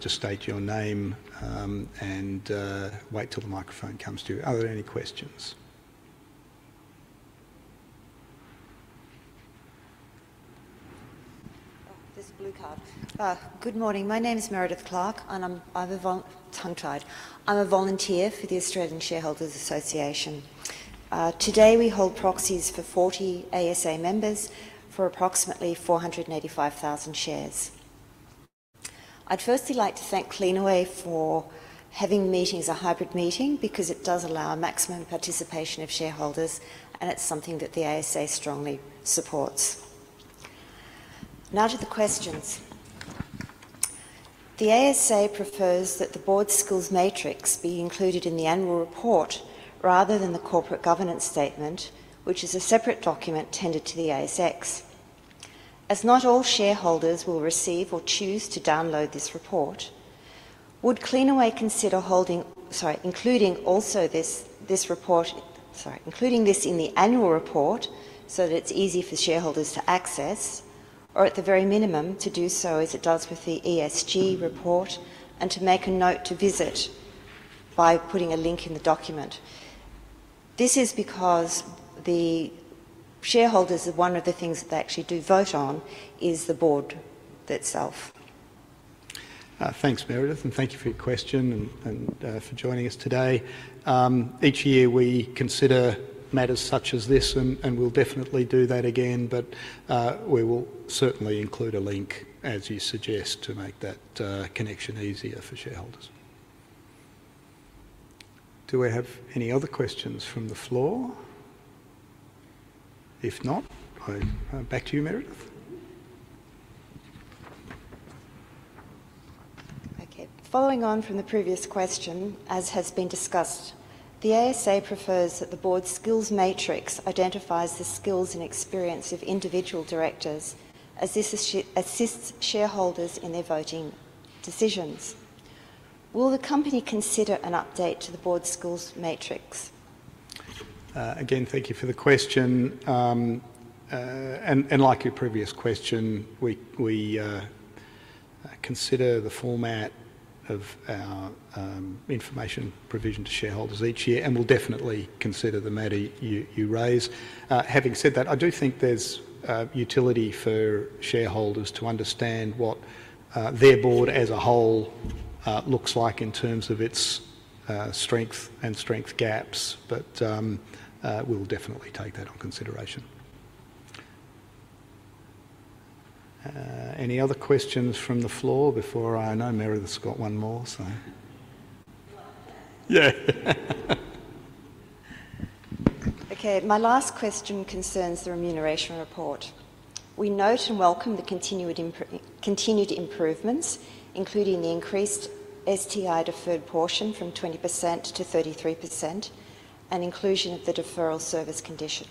just state your name, and wait till the microphone comes to you. Are there any questions? Oh, this blue card. Good morning. My name is Meredith Clark, and I'm tongue-tied. I'm a volunteer for the Australian Shareholders Association. Today, we hold proxies for forty ASA members for approximately four hundred and eighty-five thousand shares. I'd firstly like to thank Cleanaway for having the meeting as a hybrid meeting, because it does allow maximum participation of shareholders, and it's something that the ASA strongly supports. Now to the questions. The ASA prefers that the board skills matrix be included in the annual report rather than the corporate governance statement, which is a separate document tendered to the ASX. As not all shareholders will receive or choose to download this report, would Cleanaway consider holding, sorry, including also this, this report... Sorry, including this in the annual report so that it's easy for shareholders to access or, at the very minimum, to do so as it does with the ESG report and to make a note to visit by putting a link in the document? This is because the shareholders, one of the things that they actually do vote on, is the board itself. Thanks, Meredith, and thank you for your question and for joining us today. Each year we consider matters such as this, and we'll definitely do that again, but we will certainly include a link, as you suggest, to make that connection easier for shareholders. Do we have any other questions from the floor? If not, back to you, Meredith. Okay. Following on from the previous question, as has been discussed, the ASA prefers that the board's skills matrix identifies the skills and experience of individual directors, as this assists shareholders in their voting decisions. Will the company consider an update to the board's skills matrix? Again, thank you for the question. And like your previous question, we consider the format of our information provision to shareholders each year, and we'll definitely consider the matter you raise. Having said that, I do think there's utility for shareholders to understand what their board as a whole looks like in terms of its strength and strength gaps. But we'll definitely take that on consideration. Any other questions from the floor before I know Meredith's got one more, so. Well, yeah. Yeah. Okay, my last question concerns the remuneration report. We note and welcome the continued improvements, including the increased STI deferred portion from 20% to 33%, and inclusion of the deferral service condition.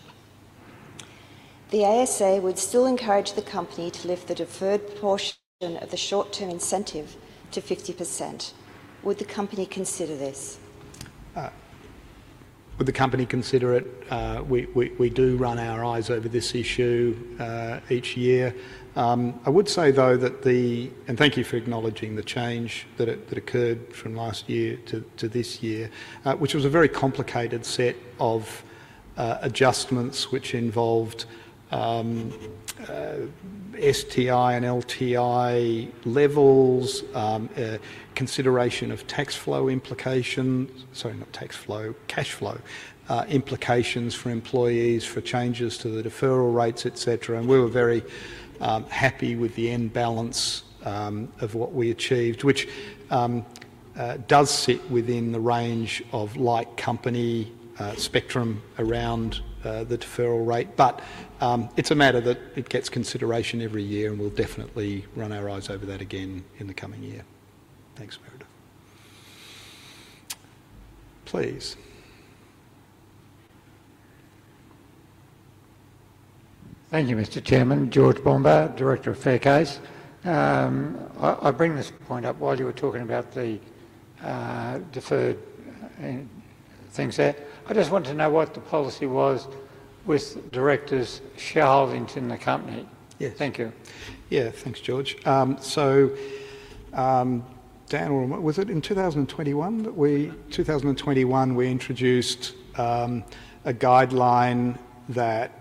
The ASA would still encourage the company to lift the deferred portion of the short-term incentive to 50%. Would the company consider this? Would the company consider it? We do run our eyes over this issue each year. I would say, though, that, and thank you for acknowledging the change that occurred from last year to this year, which was a very complicated set of adjustments, which involved STI and LTI levels, consideration of tax flow implications - sorry, not tax flow, cash flow implications for employees for changes to the deferral rates, et cetera, and we were very happy with the end balance of what we achieved, which does sit within the range of like company spectrum around the deferral rate, but it's a matter that it gets consideration every year, and we'll definitely run our eyes over that again in the coming year. Thanks, Meredith. Please. Thank you, Mr. Chairman. George Bompas, Director of Fair Cause. I bring this point up while you were talking about the deferred things there. I just wanted to know what the policy was with directors' shareholdings in the company. Yes. Thank you. Yeah, thanks, George. Dan, or was it in two thousand and twenty-one that we- Yeah. Two thousand and twenty-one, we introduced a guideline that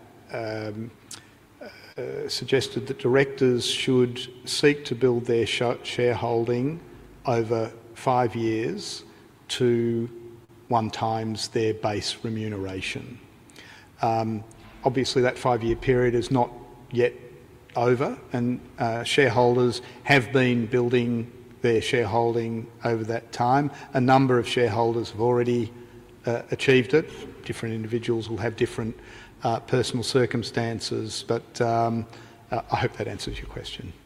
suggested that directors should seek to build their shareholding over five years to one times their base remuneration. Obviously, that five-year period is not yet over, and shareholders have been building their shareholding over that time. A number of shareholders have already achieved it. Different individuals will have different personal circumstances, but I hope that answers your question. Yeah.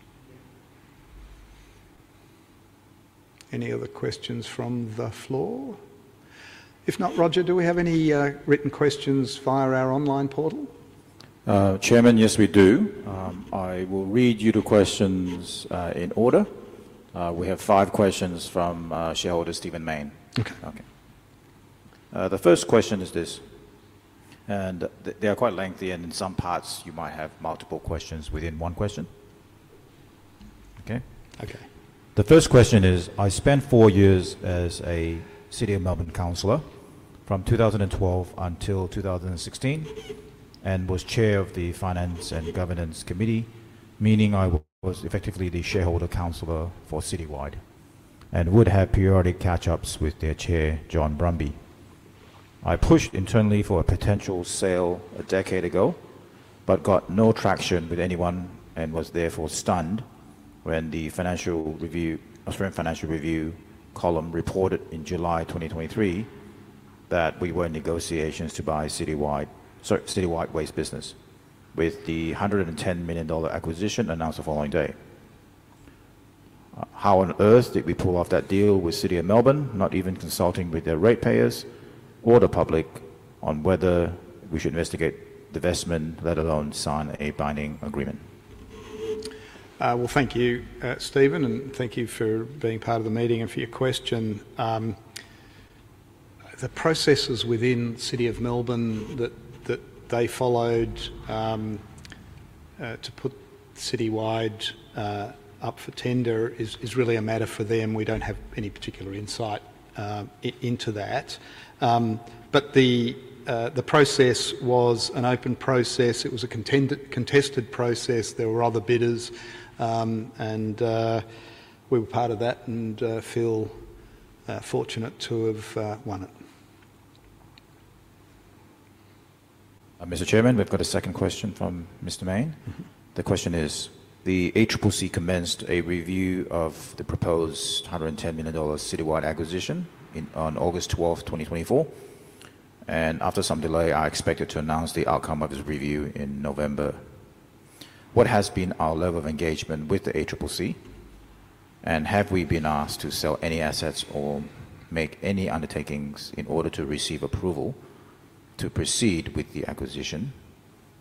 Any other questions from the floor? If not, Roger, do we have any written questions via our online portal? Chairman, yes, we do. I will read you the questions in order. We have five questions from shareholder Stephen Mayne. Okay. Okay. The first question is this... And they are quite lengthy, and in some parts, you might have multiple questions within one question. Okay? Okay. The first question is: I spent four years as a City of Melbourne councillor from two thousand and twelve until two thousand and sixteen, and was chair of the Finance and Governance Committee, meaning I was effectively the shareholder councillor for Citywide, and would have periodic catch-ups with their chair, John Brumby. I pushed internally for a potential sale a decade ago, but got no traction with anyone and was therefore stunned when the Financial Review, Australian Financial Review column reported in July twenty twenty-three that we were in negotiations to buy Citywide, sorry, Citywide Waste business, with the 110 million dollar acquisition announced the following day. How on earth did we pull off that deal with City of Melbourne, not even consulting with their ratepayers or the public on whether we should investigate divestment, let alone sign a binding agreement? Well, thank you, Stephen, and thank you for being part of the meeting and for your question. The processes within City of Melbourne that they followed to put Citywide up for tender is really a matter for them. We don't have any particular insight into that. But the process was an open process. It was a contested process. There were other bidders, and we were part of that and feel fortunate to have won it. Mr. Chairman, we've got a second question from Mr. Mayne. Mm-hmm. The question is: The ACCC commenced a review of the proposed 110 million dollars Citywide acquisition on August twelfth, 2024, and after some delay, are expected to announce the outcome of this review in November. What has been our level of engagement with the ACCC, and have we been asked to sell any assets or make any undertakings in order to receive approval to proceed with the acquisition?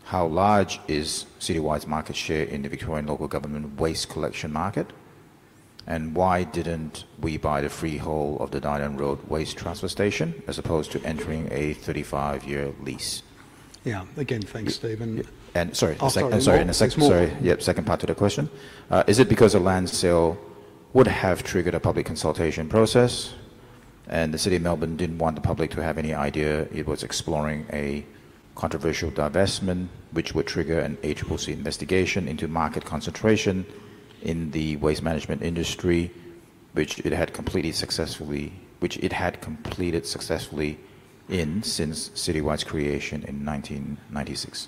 How large is Citywide's market share in the Victorian local government waste collection market? And why didn't we buy the freehold of the Dynon Road Waste Transfer Station, as opposed to entering a 35-year lease? Yeah. Again, thanks, Stephen. Yeah, and sorry. I'm sorry. I'm sorry, and the second- There's more... sorry, yeah, second part to the question. Is it because a land sale would have triggered a public consultation process, and the City of Melbourne didn't want the public to have any idea it was exploring a controversial divestment, which would trigger an ACCC investigation into market concentration in the waste management industry? Which it had completed successfully since Citywide's creation in 1996.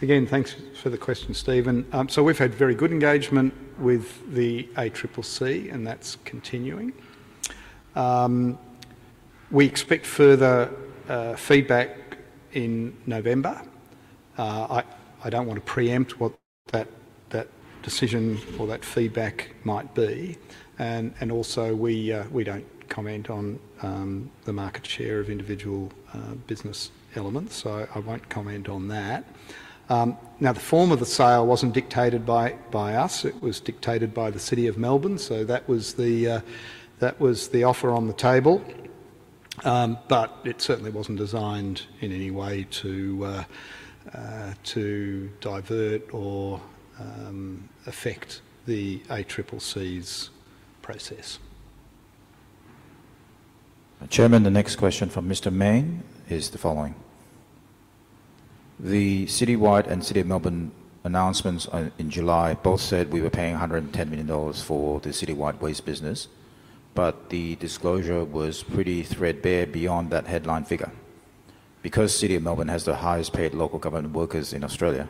Again, thanks for the question, Stephen. So we've had very good engagement with the ACCC, and that's continuing. We expect further feedback in November. I don't want to preempt what that decision or that feedback might be, and also, we don't comment on the market share of individual business elements, so I won't comment on that. Now, the form of the sale wasn't dictated by us. It was dictated by the City of Melbourne, so that was the offer on the table. But it certainly wasn't designed in any way to divert or affect the ACCC's process. Chairman, the next question from Mr. Mayne is the following: The Citywide and City of Melbourne announcements in July both said we were paying 110 million dollars for the Citywide Waste business, but the disclosure was pretty threadbare beyond that headline figure. Because City of Melbourne has the highest paid local government workers in Australia,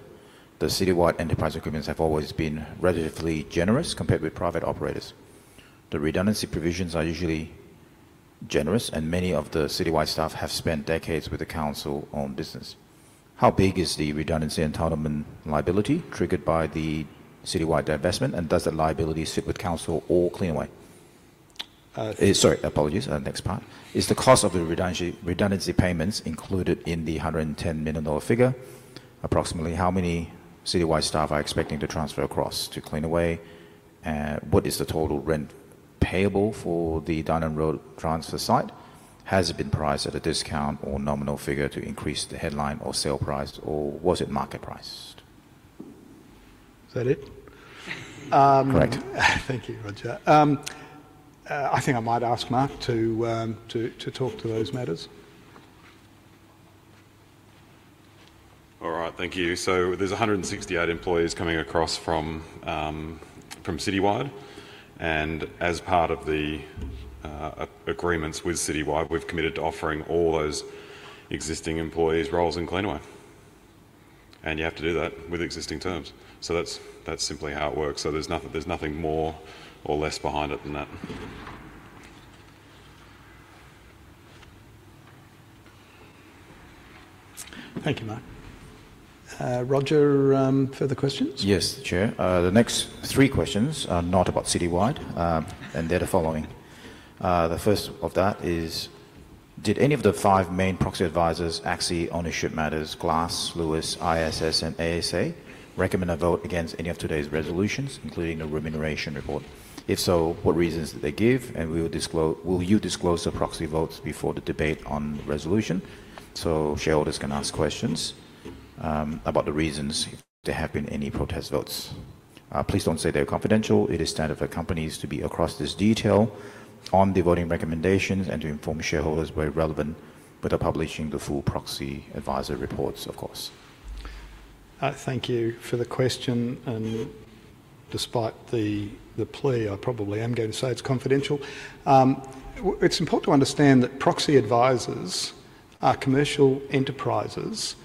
the Citywide enterprise agreements have always been relatively generous compared with private operators. The redundancy provisions are usually generous, and many of the Citywide staff have spent decades with the council-owned business. How big is the redundancy entitlement liability triggered by the Citywide divestment, and does the liability sit with council or Cleanaway? Next part. Is the cost of the redundancy payments included in the 110 million dollar figure? Approximately how many Citywide staff are expecting to transfer across to Cleanaway? What is the total rent payable for the Dynon Road transfer site? Has it been priced at a discount or nominal figure to increase the headline or sale price, or was it market priced? Is that it? Correct. Thank you, Roger. I think I might ask Mark to talk to those matters. All right. Thank you. So there's a hundred and sixty-eight employees coming across from from Citywide, and as part of the agreements with Citywide, we've committed to offering all those existing employees roles in Cleanaway, and you have to do that with existing terms. So that's, that's simply how it works, so there's nothing, there's nothing more or less behind it than that. Thank you, Mark. Roger, further questions? Yes, Chair. The next three questions are not about Citywide, and they're the following. The first of that is: Did any of the five main proxy advisors, ACSI, Ownership Matters, Glass Lewis, ISS, and ASA, recommend a vote against any of today's resolutions, including the remuneration report? If so, what reasons did they give, and we will disclose... Will you disclose the proxy votes before the debate on resolution, so shareholders can ask questions, about the reasons there have been any protest votes? Please don't say they're confidential. It is standard for companies to be across this detail on the voting recommendations and to inform shareholders where relevant, without publishing the full proxy advisor reports, of course. Thank you for the question, and despite the plea, I probably am going to say it's confidential. It's important to understand that proxy advisors are commercial enterprises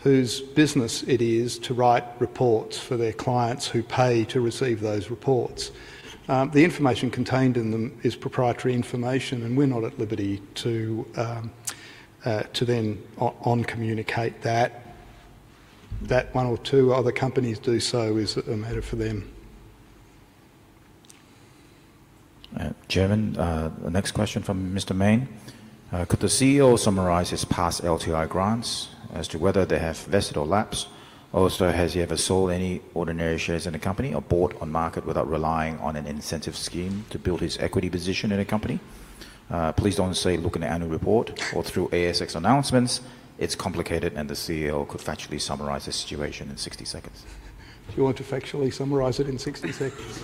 whose business it is to write reports for their clients, who pay to receive those reports. The information contained in them is proprietary information, and we're not at liberty to then on communicate that. That one or two other companies do so is a matter for them. Chairman, the next question from Mr. Mayne. Could the CEO summarize his past LTI grants as to whether they have vested or lapsed? Also, has he ever sold any ordinary shares in the company or bought on market without relying on an incentive scheme to build his equity position in the company? Please don't say, "Look in the annual report or through ASX announcements." It's complicated, and the CEO could factually summarize the situation in sixty seconds. Do you want to factually summarize it in sixty seconds?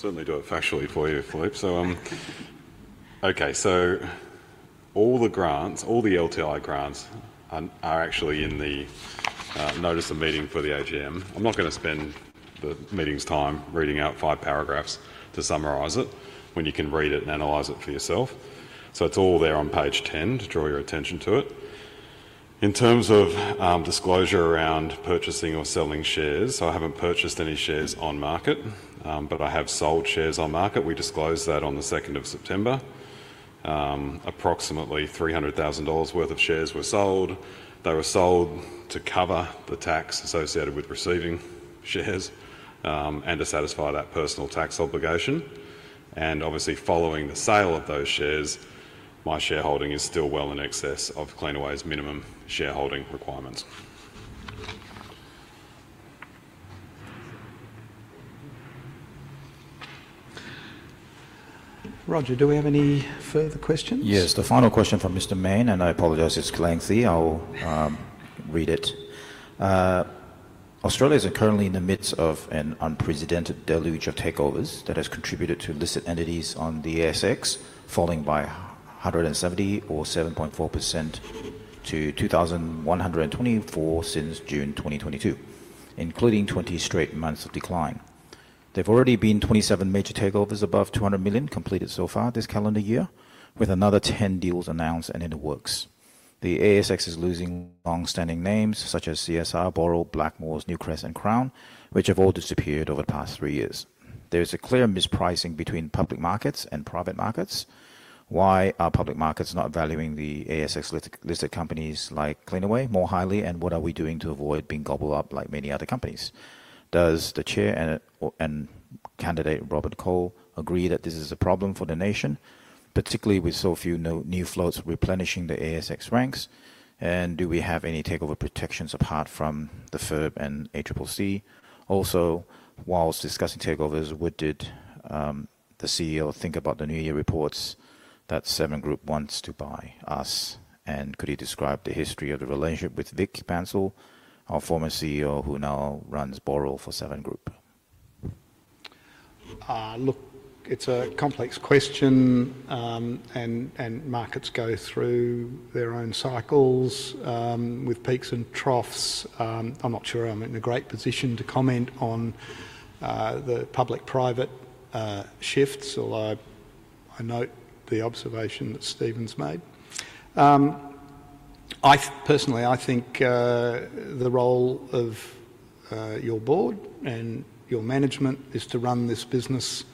I'll certainly do it factually for you, Philippe. Okay, all the grants, all the LTI grants are actually in the notice of meeting for the AGM. I'm not gonna spend the meeting's time reading out five paragraphs to summarize it, when you can read it and analyze it for yourself. It's all there on page 10, to draw your attention to it. In terms of disclosure around purchasing or selling shares, I haven't purchased any shares on market, but I have sold shares on market. We disclosed that on the second of September. Approximately 300,000 dollars worth of shares were sold. They were sold to cover the tax associated with receiving shares, and to satisfy that personal tax obligation, and obviously, following the sale of those shares, my shareholding is still well in excess of Cleanaway's minimum shareholding requirements. Roger, do we have any further questions? Yes, the final question from Mr. Mayne, and I apologize it's lengthy. I'll read it. Australia is currently in the midst of an unprecedented deluge of takeovers that has contributed to listed entities on the ASX falling by 170 or 7.4% to 2,124 since June 2022, including 20 straight months of decline. There have already been 27 major takeovers above 200 million completed so far this calendar year, with another 10 deals announced and in the works. The ASX is losing long-standing names such as CSR, Boral, Blackmores, Newcrest, and Crown, which have all disappeared over the past three years. There is a clear mispricing between public markets and private markets. Why are public markets not valuing the ASX-listed companies like Cleanaway more highly, and what are we doing to avoid being gobbled up like many other companies? Does the chair and candidate, Robert Cole, agree that this is a problem for the nation, particularly with so few new floats replenishing the ASX ranks? And do we have any takeover protections apart from the FIRB and ACCC? Also, while discussing takeovers, what did the CEO think about the New Year reports that Seven Group wants to buy us? And could he describe the history of the relationship with Vik Bansal, our former CEO, who now runs Boral for Seven Group? Look, it's a complex question, and markets go through their own cycles with peaks and troughs. I'm not sure I'm in a great position to comment on the public-private shifts, although I note the observation that Stephen's made. Personally, I think the role of your board and your management is to run this business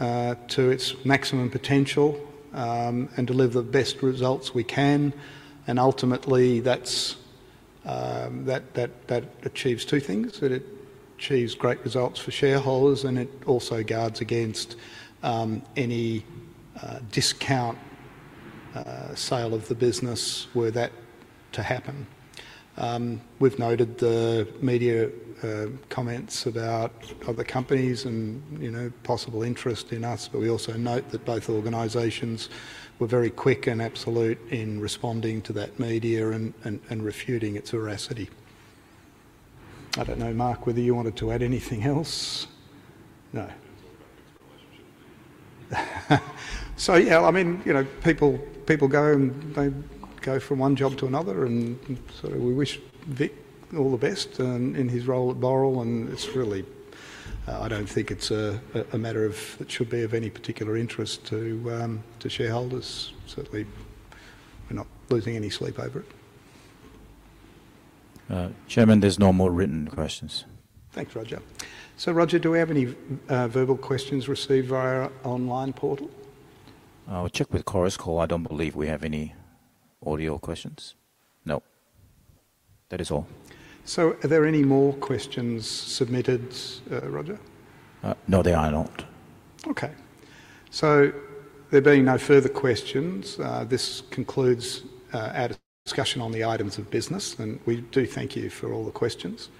to its maximum potential and deliver the best results we can, and ultimately, that's that achieves two things. That it achieves great results for shareholders, and it also guards against any discount sale of the business, were that to happen. We've noted the media comments about other companies and, you know, possible interest in us, but we also note that both organizations were very quick and absolute in responding to that media and refuting its veracity. I don't know, Mark, whether you wanted to add anything else? No. Yeah, I mean, you know, people go, and they go from one job to another, and so we wish Vik all the best in his role at Boral, and it's really. I don't think it's a matter of it should be of any particular interest to shareholders. Certainly, we're not losing any sleep over it. Chairman, there's no more written questions. Thanks, Roger. So Roger, do we have any verbal questions received via our online portal? I'll check with Chorus Call. I don't believe we have any audio questions. Nope. That is all. So are there any more questions submitted, Roger? No, there are not. Okay. So there being no further questions, this concludes our discussion on the items of business, and we do thank you for all the questions.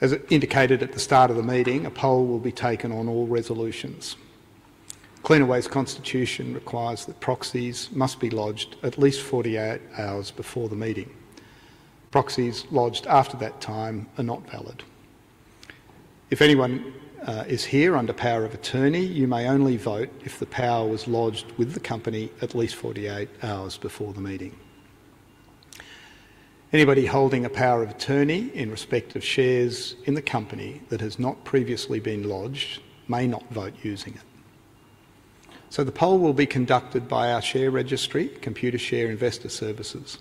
As indicated at the start of the meeting, a poll will be taken on all resolutions. Cleanaway's constitution requires that proxies must be lodged at least forty-eight hours before the meeting. Proxies lodged after that time are not valid. If anyone is here under power of attorney, you may only vote if the power was lodged with the company at least forty-eight hours before the meeting. Anybody holding a power of attorney in respect of shares in the company that has not previously been lodged may not vote using it. So the poll will be conducted by our share registry, Computershare Investor Services.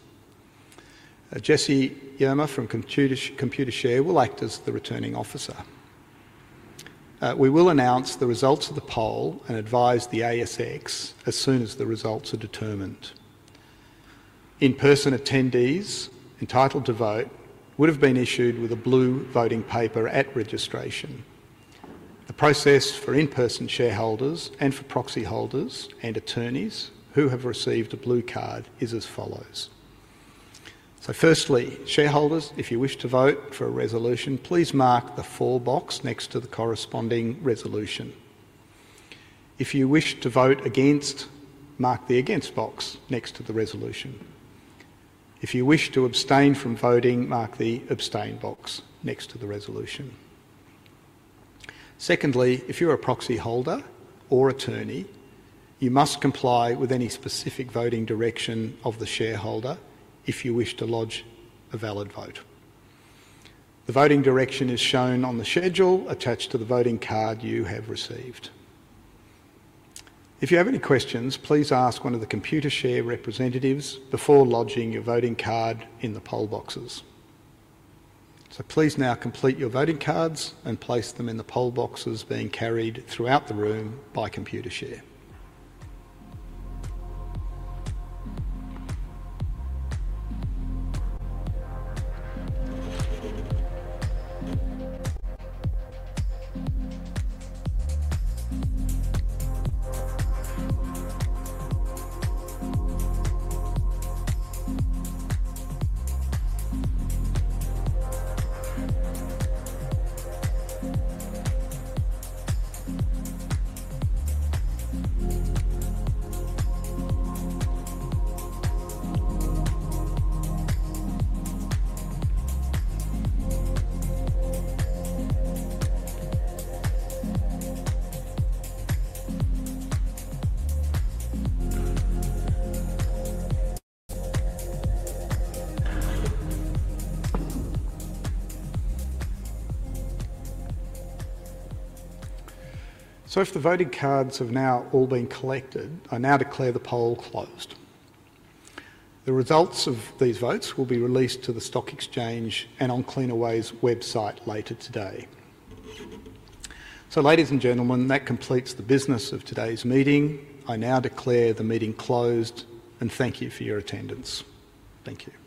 Jessie Ymer from Computershare, Computershare, will act as the Returning Officer. We will announce the results of the poll and advise the ASX as soon as the results are determined. In-person attendees entitled to vote would have been issued with a blue voting paper at registration. The process for in-person shareholders and for proxy holders and attorneys who have received a blue card is as follows. Firstly, shareholders, if you wish to vote for a resolution, please mark the "for" box next to the corresponding resolution. If you wish to vote against, mark the "against" box next to the resolution. If you wish to abstain from voting, mark the "abstain" box next to the resolution. Secondly, if you're a proxy holder or attorney, you must comply with any specific voting direction of the shareholder if you wish to lodge a valid vote. The voting direction is shown on the schedule attached to the voting card you have received. If you have any questions, please ask one of the Computershare representatives before lodging your voting card in the poll boxes. So please now complete your voting cards and place them in the poll boxes being carried throughout the room by Computershare. So if the voting cards have now all been collected, I now declare the poll closed. The results of these votes will be released to the stock exchange and on Cleanaway's website later today. So ladies and gentlemen, that completes the business of today's meeting. I now declare the meeting closed, and thank you for your attendance. Thank you.